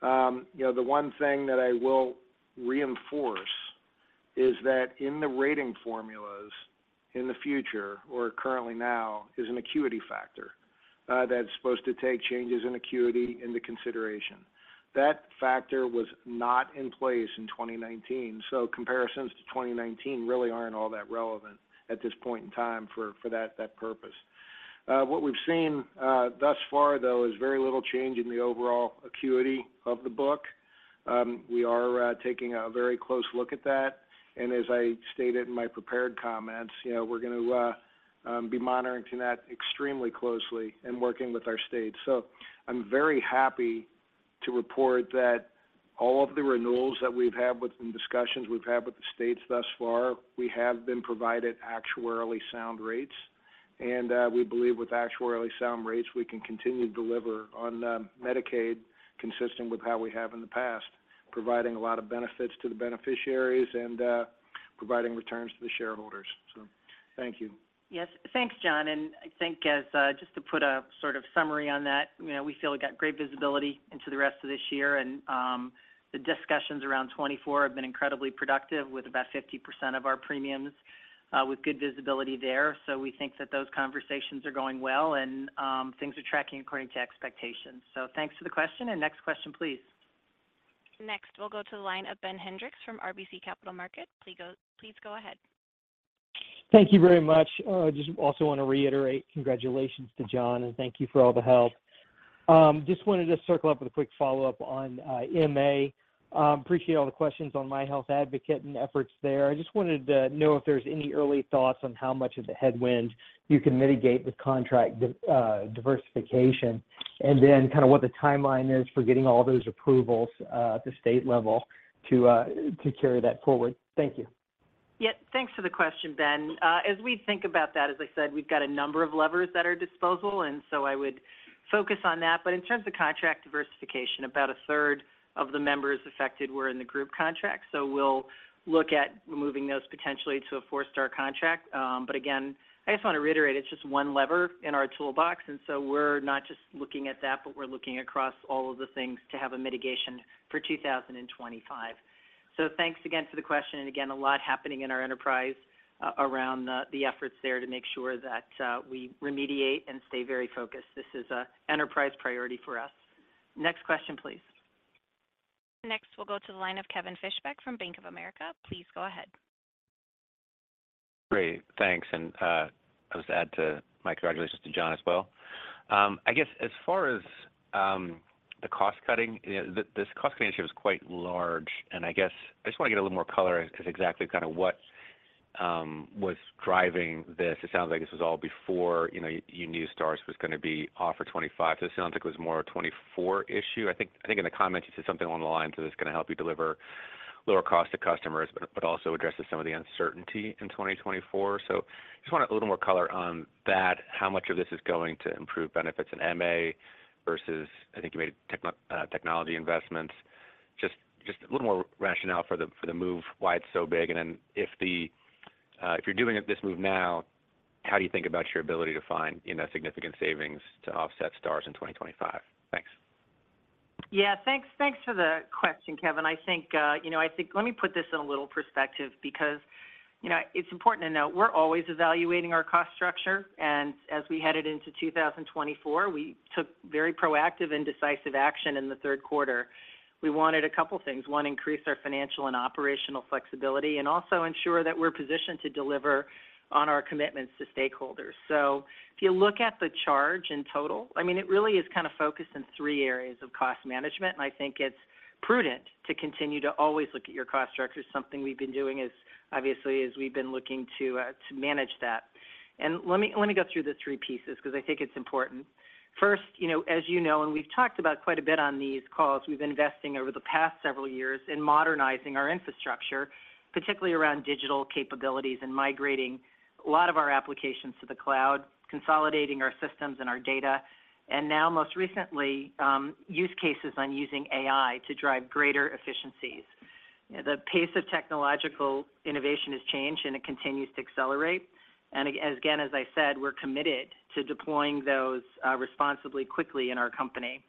You know, the one thing that I will reinforce is that in the rating formulas in the future or currently now, is an acuity factor, that's supposed to take changes in acuity into consideration. That factor was not in place in 2019, so comparisons to 2019 really aren't all that relevant at this point in time for, for that, that purpose. What we've seen, thus far, though, is very little change in the overall acuity of the book. We are taking a very close look at that, and as I stated in my prepared comments, you know, we're gonna be monitoring that extremely closely and working with our states. So I'm very happy to report that all of the renewals that we've had with and discussions we've had with the states thus far, we have been provided actuarially sound rates. And we believe with actuarially sound rates, we can continue to deliver on Medicaid, consistent with how we have in the past, providing a lot of benefits to the beneficiaries and providing returns to the shareholders. So thank you. Yes. Thanks, John. And I think as, just to put a sort of summary on that, you know, we feel we got great visibility into the rest of this year. And, the discussions around 2024 have been incredibly productive with about 50% of our premiums, with good visibility there. So we think that those conversations are going well, and, things are tracking according to expectations. So thanks for the question. And next question, please. Next, we'll go to the line of Ben Hendrix from RBC Capital Markets. Please go, please go ahead. Thank you very much. I just also want to reiterate congratulations to John, and thank you for all the help. Just wanted to circle up with a quick follow-up on MA. Appreciate all the questions on my health advocate and efforts there. I just wanted to know if there's any early thoughts on how much of the headwind you can mitigate with contract diversification, and then kind of what the timeline is for getting all those approvals at the state level to carry that forward. Thank you. Yeah, thanks for the question, Ben. As we think about that, as I said, we've got a number of levers at our disposal, and so I would focus on that. But in terms of contract diversification, about a third of the members affected were in the group contract, so we'll look at moving those potentially to a 4-star contract. But again, I just want to reiterate, it's just one lever in our toolbox, and so we're not just looking at that, but we're looking across all of the things to have a mitigation for 2025. So thanks again for the question, and again, a lot happening in our enterprise, around the efforts there to make sure that we remediate and stay very focused. This is an enterprise priority for us. Next question, please. Next, we'll go to the line of Kevin Fishbeck from Bank of America. Please go ahead. Great. Thanks. And I'll just add to my congratulations to John as well. I guess as far as the cost-cutting issue is quite large, and I guess I just want to get a little more color as exactly kind of what was driving this. It sounds like this was all before, you know, you knew Stars was going to be off for 25, so it sounds like it was more a 24 issue. I think in the comments, you said something along the lines of this is going to help you deliver lower cost to customers, but also addresses some of the uncertainty in 2024. So just want a little more color on that, how much of this is going to improve benefits in MA versus, I think you made tech technology investments. Just a little more rationale for the move, why it's so big. And then, if you're doing this move now, how do you think about your ability to find significant savings to offset Stars in 2025? Thanks. Yeah, thanks. Thanks for the question, Kevin. I think, you know, I think let me put this in a little perspective, because, you know, it's important to note, we're always evaluating our cost structure, and as we headed into 2024, we took very proactive and decisive action in the third quarter. We wanted a couple of things. One, increase our financial and operational flexibility, and also ensure that we're positioned to deliver on our commitments to stakeholders. So if you look at the charge in total, I mean, it really is kind of focused in three areas of cost management, and I think it's prudent to continue to always look at your cost structure, something we've been doing as, obviously, as we've been looking to, to manage that. And let me, let me go through the three pieces because I think it's important. First, you know, as you know, and we've talked about quite a bit on these calls, we've been investing over the past several years in modernizing our infrastructure, particularly around digital capabilities and migrating a lot of our applications to the cloud, consolidating our systems and our data, and now, most recently, use cases on using AI to drive greater efficiencies. The pace of technological innovation has changed, and it continues to accelerate. Again, as I said, we're committed to deploying those, responsibly, quickly in our company.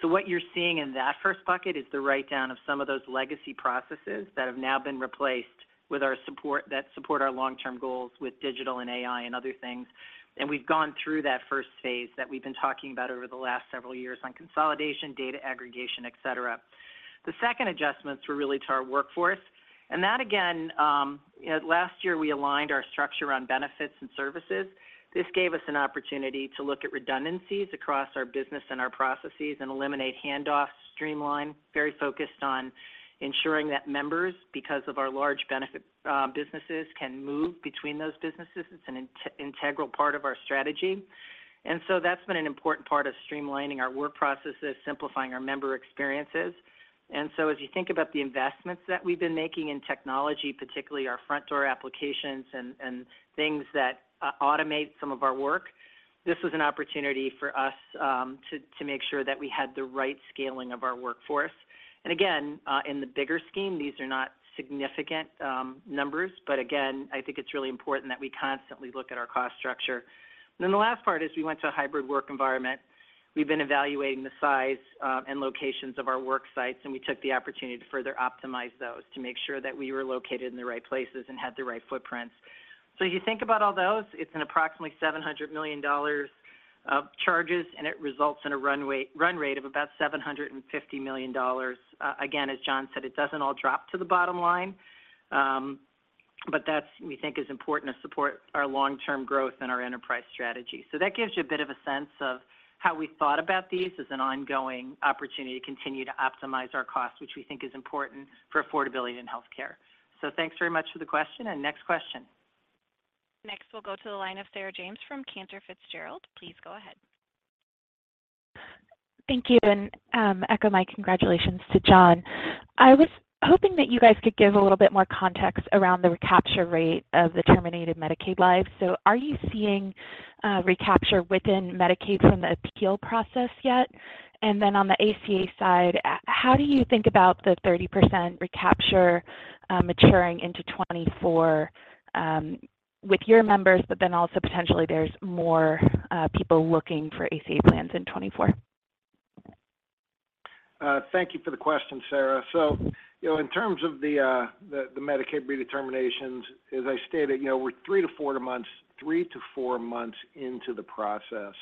So what you're seeing in that first bucket is the write-down of some of those legacy processes that have now been replaced with our support, that support our long-term goals with digital and AI and other things. And we've gone through that first phase that we've been talking about over the last several years on consolidation, data aggregation, et cetera. The second adjustments were really to our workforce. That, again, last year, we aligned our structure on benefits and services. This gave us an opportunity to look at redundancies across our business and our processes and eliminate handoffs, streamline, very focused on ensuring that members, because of our large benefit businesses, can move between those businesses. It's an integral part of our strategy. And so that's been an important part of streamlining our work processes, simplifying our member experiences. And so as you think about the investments that we've been making in technology, particularly our front door applications and things that automate some of our work, this was an opportunity for us to make sure that we had the right scaling of our workforce. And again, in the bigger scheme, these are not significant numbers, but again, I think it's really important that we constantly look at our cost structure. Then the last part is we went to a hybrid work environment. We've been evaluating the size and locations of our work sites, and we took the opportunity to further optimize those to make sure that we were located in the right places and had the right footprints. So if you think about all those, it's an approximately $700 million of charges, and it results in a run rate of about $750 million. Again, as John said, it doesn't all drop to the bottom line, but that's, we think, important to support our long-term growth and our enterprise strategy. So that gives you a bit of a sense of how we thought about these as an ongoing opportunity to continue to optimize our costs, which we think is important for affordability in healthcare. So thanks very much for the question, and next question. Next, we'll go to the line of Sarah James from Cantor Fitzgerald. Please go ahead. Thank you, and echo my congratulations to John. I was hoping that you guys could give a little bit more context around the recapture rate of the terminated Medicaid lives. So are you seeing recapture within Medicaid from the appeal process yet? And then on the ACA side, how do you think about the 30% recapture maturing into 2024 with your members, but then also potentially there's more people looking for ACA plans in 2024? Thank you for the question, Sarah. So, you know, in terms of the Medicaid redeterminations, as I stated, you know, we're three-four months, three-four months into the process.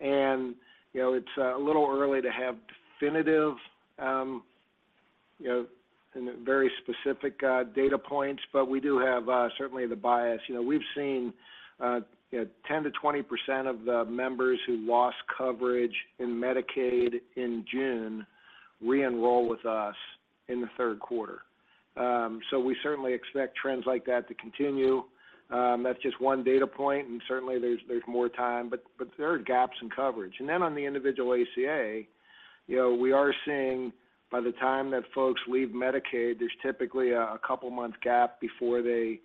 And, you know, it's a little early to have definitive, you know, and very specific data points, but we do have certainly the bias. You know, we've seen, you know, 10%-20% of the members who lost coverage in Medicaid in June re-enroll with us in the third quarter. So we certainly expect trends like that to continue. That's just one data point, and certainly there's more time, but there are gaps in coverage. And then on the individual ACA, you know, we are seeing by the time that folks leave Medicaid, there's typically a couple month gap before they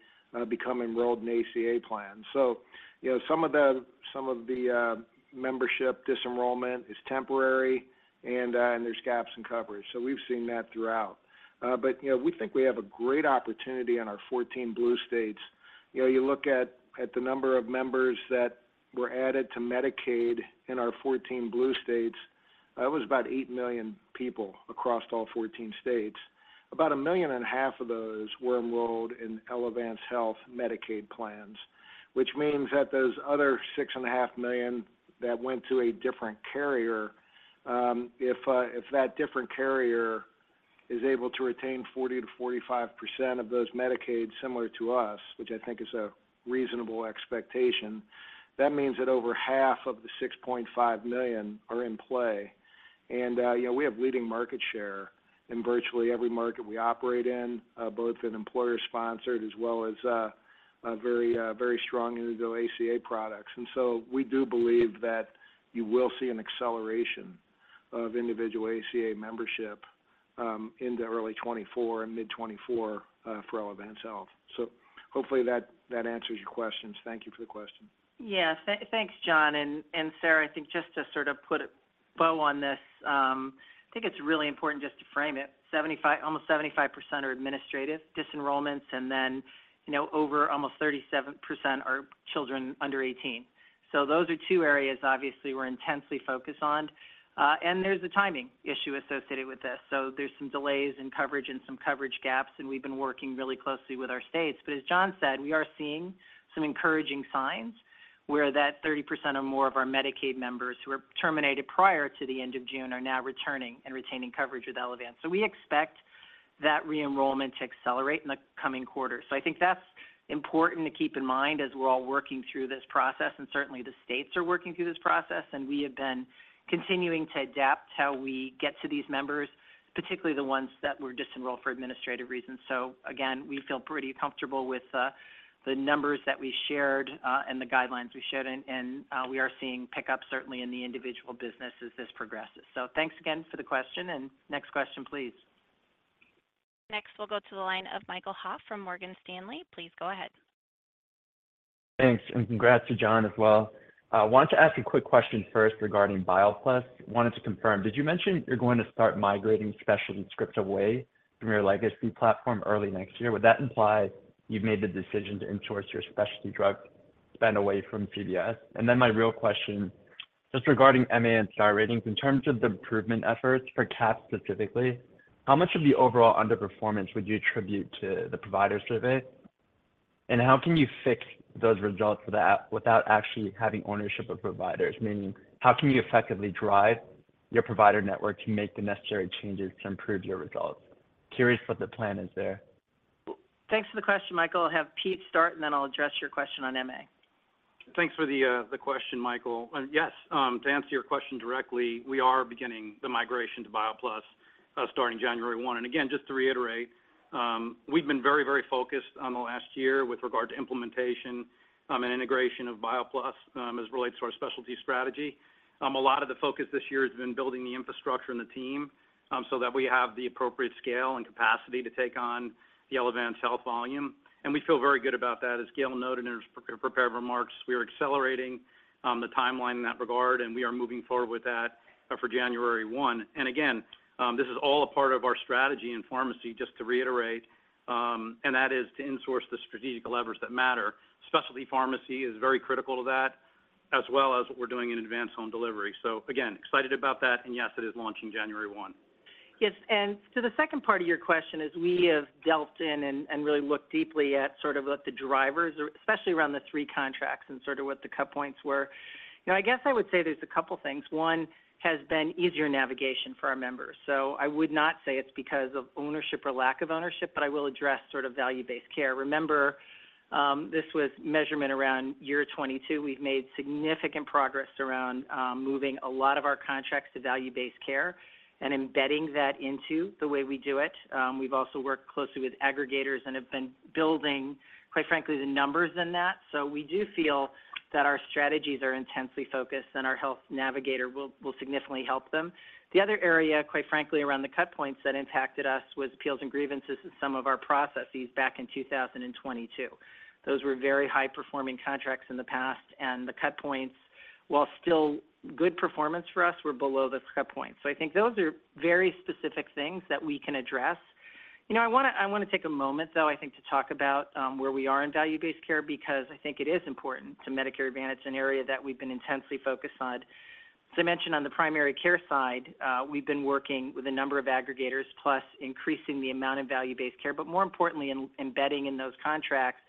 become enrolled in ACA plan. So, you know, some of the membership disenrollment is temporary, and there's gaps in coverage. So we've seen that throughout. But, you know, we think we have a great opportunity on our 14 Blue states. You know, you look at the number of members that were added to Medicaid in our 14 Blue states, that was about 8 million people across all 14 states. About 1.5 million of those were enrolled in Elevance Health Medicaid plans, which means that those other 6.5 million that went to a different carrier, if that different carrier is able to retain 40%-45% of those Medicaid similar to us, which I think is a reasonable expectation, that means that over half of the 6.5 million are in play. And, you know, we have leading market share in virtually every market we operate in, both in employer-sponsored as well as a very, very strong individual ACA products. And so we do believe that you will see an acceleration of individual ACA membership into early 2024 and mid-2024 for Elevance Health. So hopefully that answers your questions. Thank you for the question. Yes. Thanks, John. And Sarah, I think just to sort of put a bow on this, I think it's really important just to frame it. Almost 75% are administrative disenrollments, and then, you know, over almost 37% are children under 18. So those are two areas obviously we're intensely focused on, and there's a timing issue associated with this. So there's some delays in coverage and some coverage gaps, and we've been working really closely with our states. But as John said, we are seeing some encouraging signs where that 30% or more of our Medicaid members who were terminated prior to the end of June are now returning and retaining coverage with Elevance. So we expect that re-enrollment to accelerate in the coming quarter. I think that's important to keep in mind as we're all working through this process, and certainly the states are working through this process, and we have been continuing to adapt how we get to these members, particularly the ones that were disenrolled for administrative reasons. So again, we feel pretty comfortable with the numbers that we shared, and the guidelines we shared, and we are seeing pickup certainly in the individual business as this progresses. So thanks again for the question, and next question, please. Next, we'll go to the line of Michael Ha from Morgan Stanley. Please go ahead. Thanks, and congrats to John as well. I wanted to ask a quick question first regarding BioPlus. Wanted to confirm, did you mention you're going to start migrating specialty script away from your legacy platform early next year? Would that imply you've made the decision to insource your specialty drug spend away from CVS? And then my real question, just regarding MA and Star Ratings, in terms of the improvement efforts for CAHPS specifically, how much of the overall underperformance would you attribute to the provider survey? And how can you fix those results for without actually having ownership of providers? Meaning, how can you effectively drive your provider network to make the necessary changes to improve your results? Curious what the plan is there. Thanks for the question, Michael. I'll have Pete start, and then I'll address your question on MA. Thanks for the question, Michael. Yes, to answer your question directly, we are beginning the migration to BioPlus, starting January 1. And again, just to reiterate, we've been very, very focused on the last year with regard to implementation, and integration of BioPlus, as it relates to our specialty strategy. A lot of the focus this year has been building the infrastructure and the team, so that we have the appropriate scale and capacity to take on the Elevance Health volume. And we feel very good about that. As Gail noted in her pre-prepared remarks, we are accelerating the timeline in that regard, and we are moving forward with that, for January 1. Again, this is all a part of our strategy in pharmacy, just to reiterate, and that is to insource the strategic levers that matter. Specialty pharmacy is very critical to that, as well as what we're doing in advanced home delivery. Again, excited about that, and yes, it is launching January 1. Yes, and to the second part of your question is, we have delved in and really looked deeply at sort of like the drivers, especially around the three contracts and sort of what the cut points were. You know, I guess I would say there's a couple things. One, has been easier navigation for our members. So I would not say it's because of ownership or lack of ownership, but I will address sort of value-based care. Remember, this was measurement around year 2022. We've made significant progress around, moving a lot of our contracts to value-based care and embedding that into the way we do it. We've also worked closely with aggregators and have been building, quite frankly, the numbers in that. So we do feel that our strategies are intensely focused, and our health navigator will significantly help them. The other area, quite frankly, around the cut points that impacted us was appeals and grievances and some of our processes back in 2022. Those were very high-performing contracts in the past, and the cut points, while still good performance for us, were below the cut point. So I think those are very specific things that we can address. You know, I wanna take a moment, though, I think, to talk about where we are in value-based care, because I think it is important to Medicare Advantage, an area that we've been intensely focused on. As I mentioned, on the primary care side, we've been working with a number of aggregators, plus increasing the amount of value-based care, but more importantly, embedding in those contracts,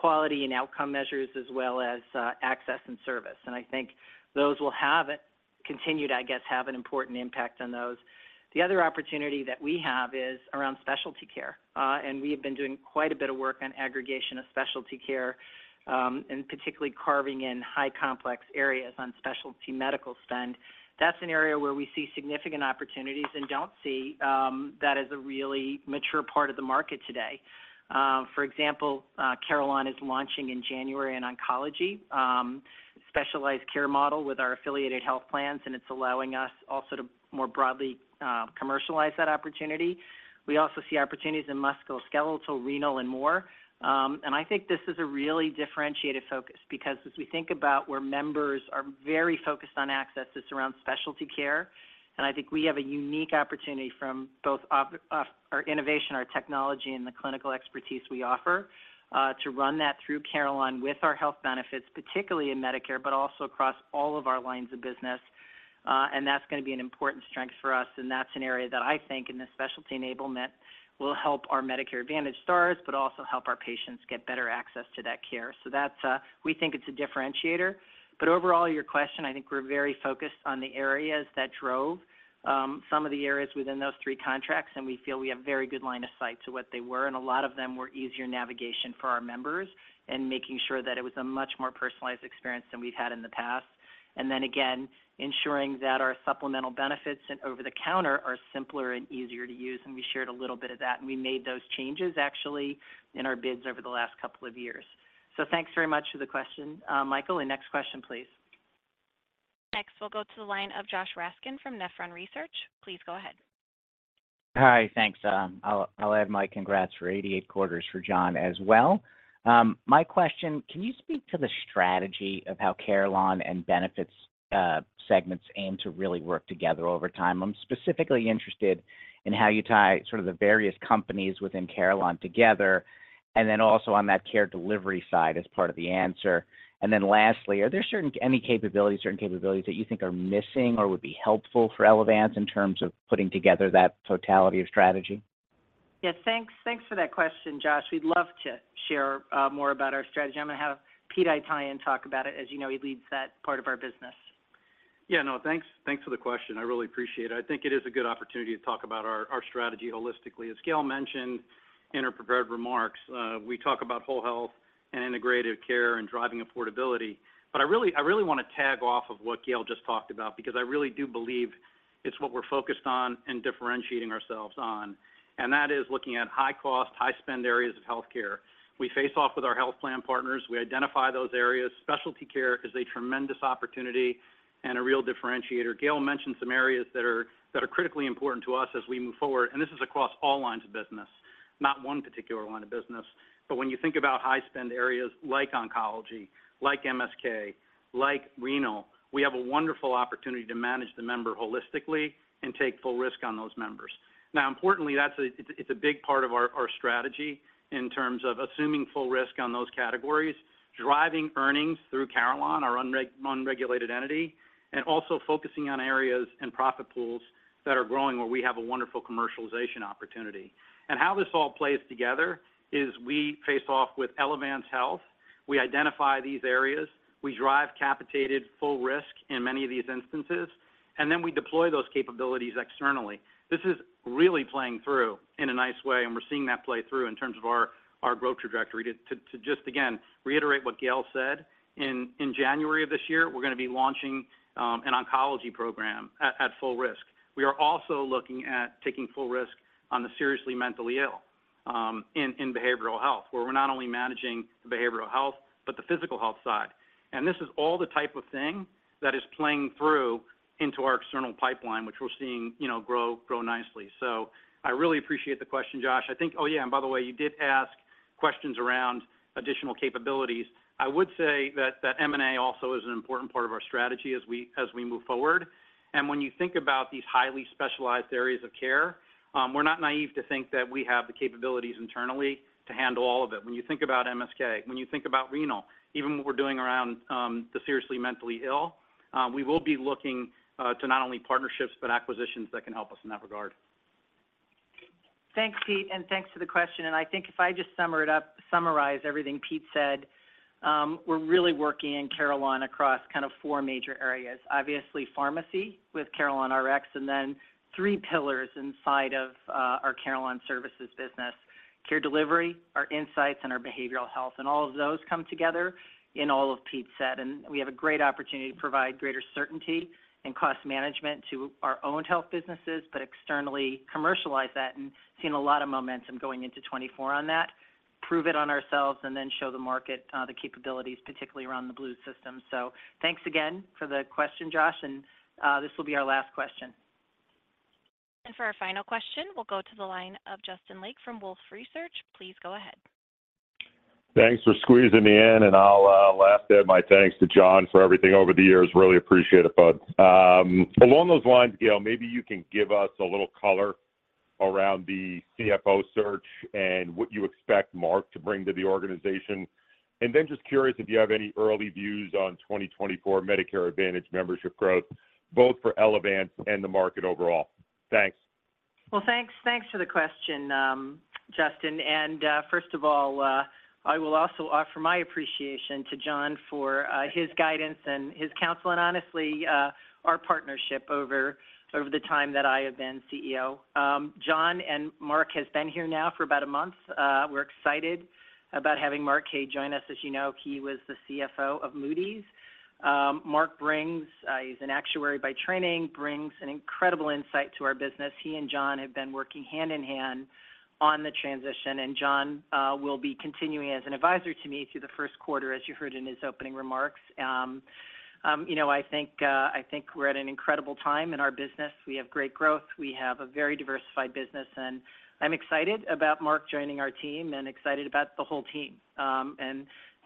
quality and outcome measures, as well as access and service. And I think those will have it continued, I guess, have an important impact on those. The other opportunity that we have is around specialty care, and we have been doing quite a bit of work on aggregation of specialty care, and particularly carving in high complex areas on specialty medical spend. That's an area where we see significant opportunities and don't see that as a really mature part of the market today. For example, Carelon is launching in January an oncology specialized care model with our affiliated health plans, and it's allowing us also to more broadly commercialize that opportunity. We also see opportunities in musculoskeletal, renal, and more. And I think this is a really differentiated focus because as we think about where members are very focused on access, it's around specialty care, and I think we have a unique opportunity from both of our innovation, our technology, and the clinical expertise we offer, to run that through Carelon with our Health Benefits, particularly in Medicare, but also across all of our lines of business. And that's gonna be an important strength for us, and that's an area that I think, in the specialty enablement, will help our Medicare Advantage Stars, but also help our patients get better access to that care. So that's, we think it's a differentiator. But overall, your question, I think we're very focused on the areas that drove some of the areas within those three contracts, and we feel we have very good line of sight to what they were, and a lot of them were easier navigation for our members and making sure that it was a much more personalized experience than we've had in the past. And then again, ensuring that our supplemental benefits and over-the-counter are simpler and easier to use, and we shared a little bit of that, and we made those changes, actually, in our bids over the last couple of years. So thanks very much for the question, Michael. And next question, please. Next, we'll go to the line of Josh Raskin from Nephron Research. Please go ahead. Hi, thanks. I'll add my congrats for 88 quarters for John as well. My question, can you speak to the strategy of how Carelon and Benefits segments aim to really work together over time? I'm specifically interested in how you tie sort of the various companies within Carelon together, and then also on that care delivery side as part of the answer. And then lastly, are there any capabilities that you think are missing or would be helpful for Elevance in terms of putting together that totality of strategy? Yes, thanks. Thanks for that question, Josh. We'd love to share more about our strategy. I'm gonna have Pete Haytaian talk about it. As you know, he leads that part of our business. Yeah, no, thanks, thanks for the question. I really appreciate it. I think it is a good opportunity to talk about our, our strategy holistically. As Gail mentioned in her prepared remarks, we talk about whole health and integrated care and driving affordability, but I really, I really wanna tag off of what Gail just talked about because I really do believe it's what we're focused on and differentiating ourselves on, and that is looking at high-cost, high-spend areas of healthcare. We face off with our health plan partners, we identify those areas. Specialty care is a tremendous opportunity and a real differentiator. Gail mentioned some areas that are, that are critically important to us as we move forward, and this is across all lines of business, not one particular line of business. But when you think about high-spend areas like oncology, like MSK, like renal, we have a wonderful opportunity to manage the member holistically and take full risk on those members. Now, importantly, that's a it's, it's a big part of our, our strategy in terms of assuming full risk on those categories, driving earnings through Carelon, our unregulated entity, and also focusing on areas and profit pools that are growing where we have a wonderful commercialization opportunity. And how this all plays together is we face off with Elevance Health, we identify these areas, we drive capitated full risk in many of these instances, and then we deploy those capabilities externally. This is really playing through in a nice way, and we're seeing that play through in terms of our, our growth trajectory. To just again reiterate what Gail said, in January of this year, we're gonna be launching an oncology program at full risk. We are also looking at taking full risk on the seriously mentally ill in behavioral health, where we're not only managing the behavioral health, but the physical health side. And this is all the type of thing that is playing through into our external pipeline, which we're seeing, you know, grow nicely. So I really appreciate the question, Josh. I think... Oh, yeah, and by the way, you did ask questions around additional capabilities. I would say that M&A also is an important part of our strategy as we move forward. When you think about these highly specialized areas of care, we're not naive to think that we have the capabilities internally to handle all of it. When you think about MSK, when you think about renal, even what we're doing around the seriously mentally ill, we will be looking to not only partnerships, but acquisitions that can help us in that regard. Thanks, Pete, and thanks for the question. And I think if I just sum it up, summarize everything Pete said. We're really working in Carelon across kind of four major areas. Obviously, pharmacy with CarelonRx, and then three pillars inside of our Carelon Services business: care delivery, our insights, and our behavioral health. And all of those come together in all of Pete's set, and we have a great opportunity to provide greater certainty and cost management to our own health businesses, but externally commercialize that, and seen a lot of momentum going into 2024 on that, prove it on ourselves, and then show the market the capabilities, particularly around the Blue system. So thanks again for the question, Josh, and this will be our last question. For our final question, we'll go to the line of Justin Lake from Wolfe Research. Please go ahead. Thanks for squeezing me in, and I'll last add my thanks to John for everything over the years. Really appreciate it, bud. Along those lines, Gail, maybe you can give us a little color around the CFO search and what you expect Mark to bring to the organization. And then just curious if you have any early views on 2024 Medicare Advantage membership growth, both for Elevance and the market overall. Thanks. Well, thanks, thanks for the question, Justin. First of all, I will also offer my appreciation to John for his guidance and his counsel, and honestly, our partnership over the time that I have been CEO. John and Mark has been here now for about a month. We're excited about having Mark Kaye join us. As you know, he was the CFO of Moody's. Mark brings. He's an actuary by training, brings an incredible insight to our business. He and John have been working hand in hand on the transition, and John will be continuing as an advisor to me through the first quarter, as you heard in his opening remarks. You know, I think we're at an incredible time in our business. We have great growth. We have a very diversified business, and I'm excited about Mark joining our team and excited about the whole team.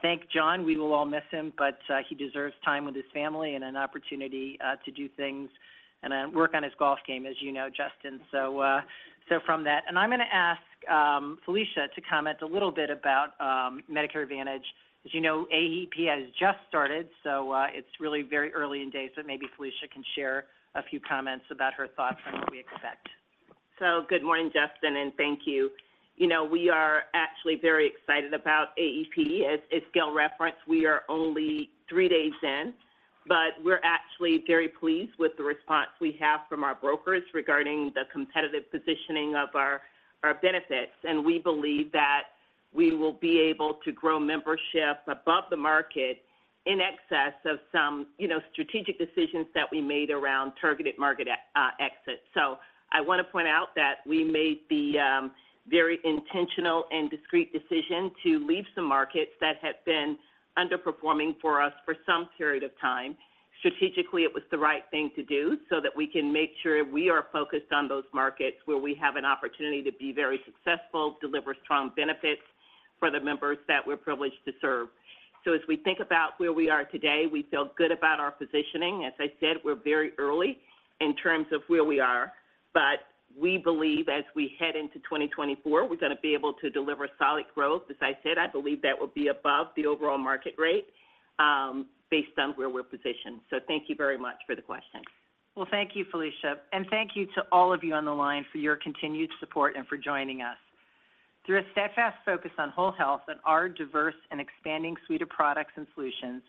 Thank John. We will all miss him, but he deserves time with his family and an opportunity to do things and work on his golf game, as you know, Justin. So from that, I'm gonna ask Felicia to comment a little bit about Medicare Advantage. As you know, AEP has just started, so it's really very early in days, but maybe Felicia can share a few comments about her thoughts on what we expect. So good morning, Justin, and thank you. You know, we are actually very excited about AEP. As Gail referenced, we are only three days in, but we're actually very pleased with the response we have from our brokers regarding the competitive positioning of our benefits. And we believe that we will be able to grow membership above the market in excess of some, you know, strategic decisions that we made around targeted market exits. So I wanna point out that we made the very intentional and discrete decision to leave some markets that had been underperforming for us for some period of time. Strategically, it was the right thing to do so that we can make sure we are focused on those markets where we have an opportunity to be very successful, deliver strong benefits for the members that we're privileged to serve. So as we think about where we are today, we feel good about our positioning. As I said, we're very early in terms of where we are, but we believe as we head into 2024, we're gonna be able to deliver solid growth. As I said, I believe that will be above the overall market rate, based on where we're positioned. So thank you very much for the question. Well, thank you, Felicia, and thank you to all of you on the line for your continued support and for joining us. Through a steadfast focus on whole health and our diverse and expanding suite of products and solutions,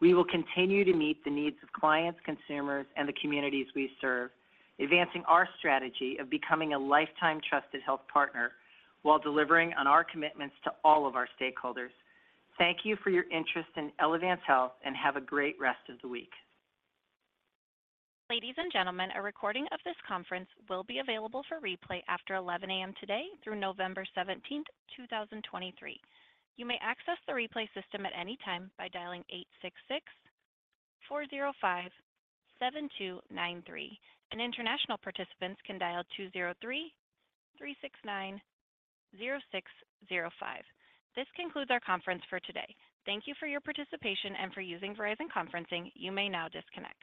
we will continue to meet the needs of clients, consumers, and the communities we serve, advancing our strategy of becoming a lifetime trusted health partner while delivering on our commitments to all of our stakeholders. Thank you for your interest in Elevance Health, and have a great rest of the week. Ladies and gentlemen, a recording of this conference will be available for replay after 11:00 A.M. today through November 17, 2023. You may access the replay system at any time by dialing 866-405-7293, and international participants can dial 203-369-0605. This concludes our conference for today. Thank you for your participation and for using Verizon Conferencing. You may now disconnect.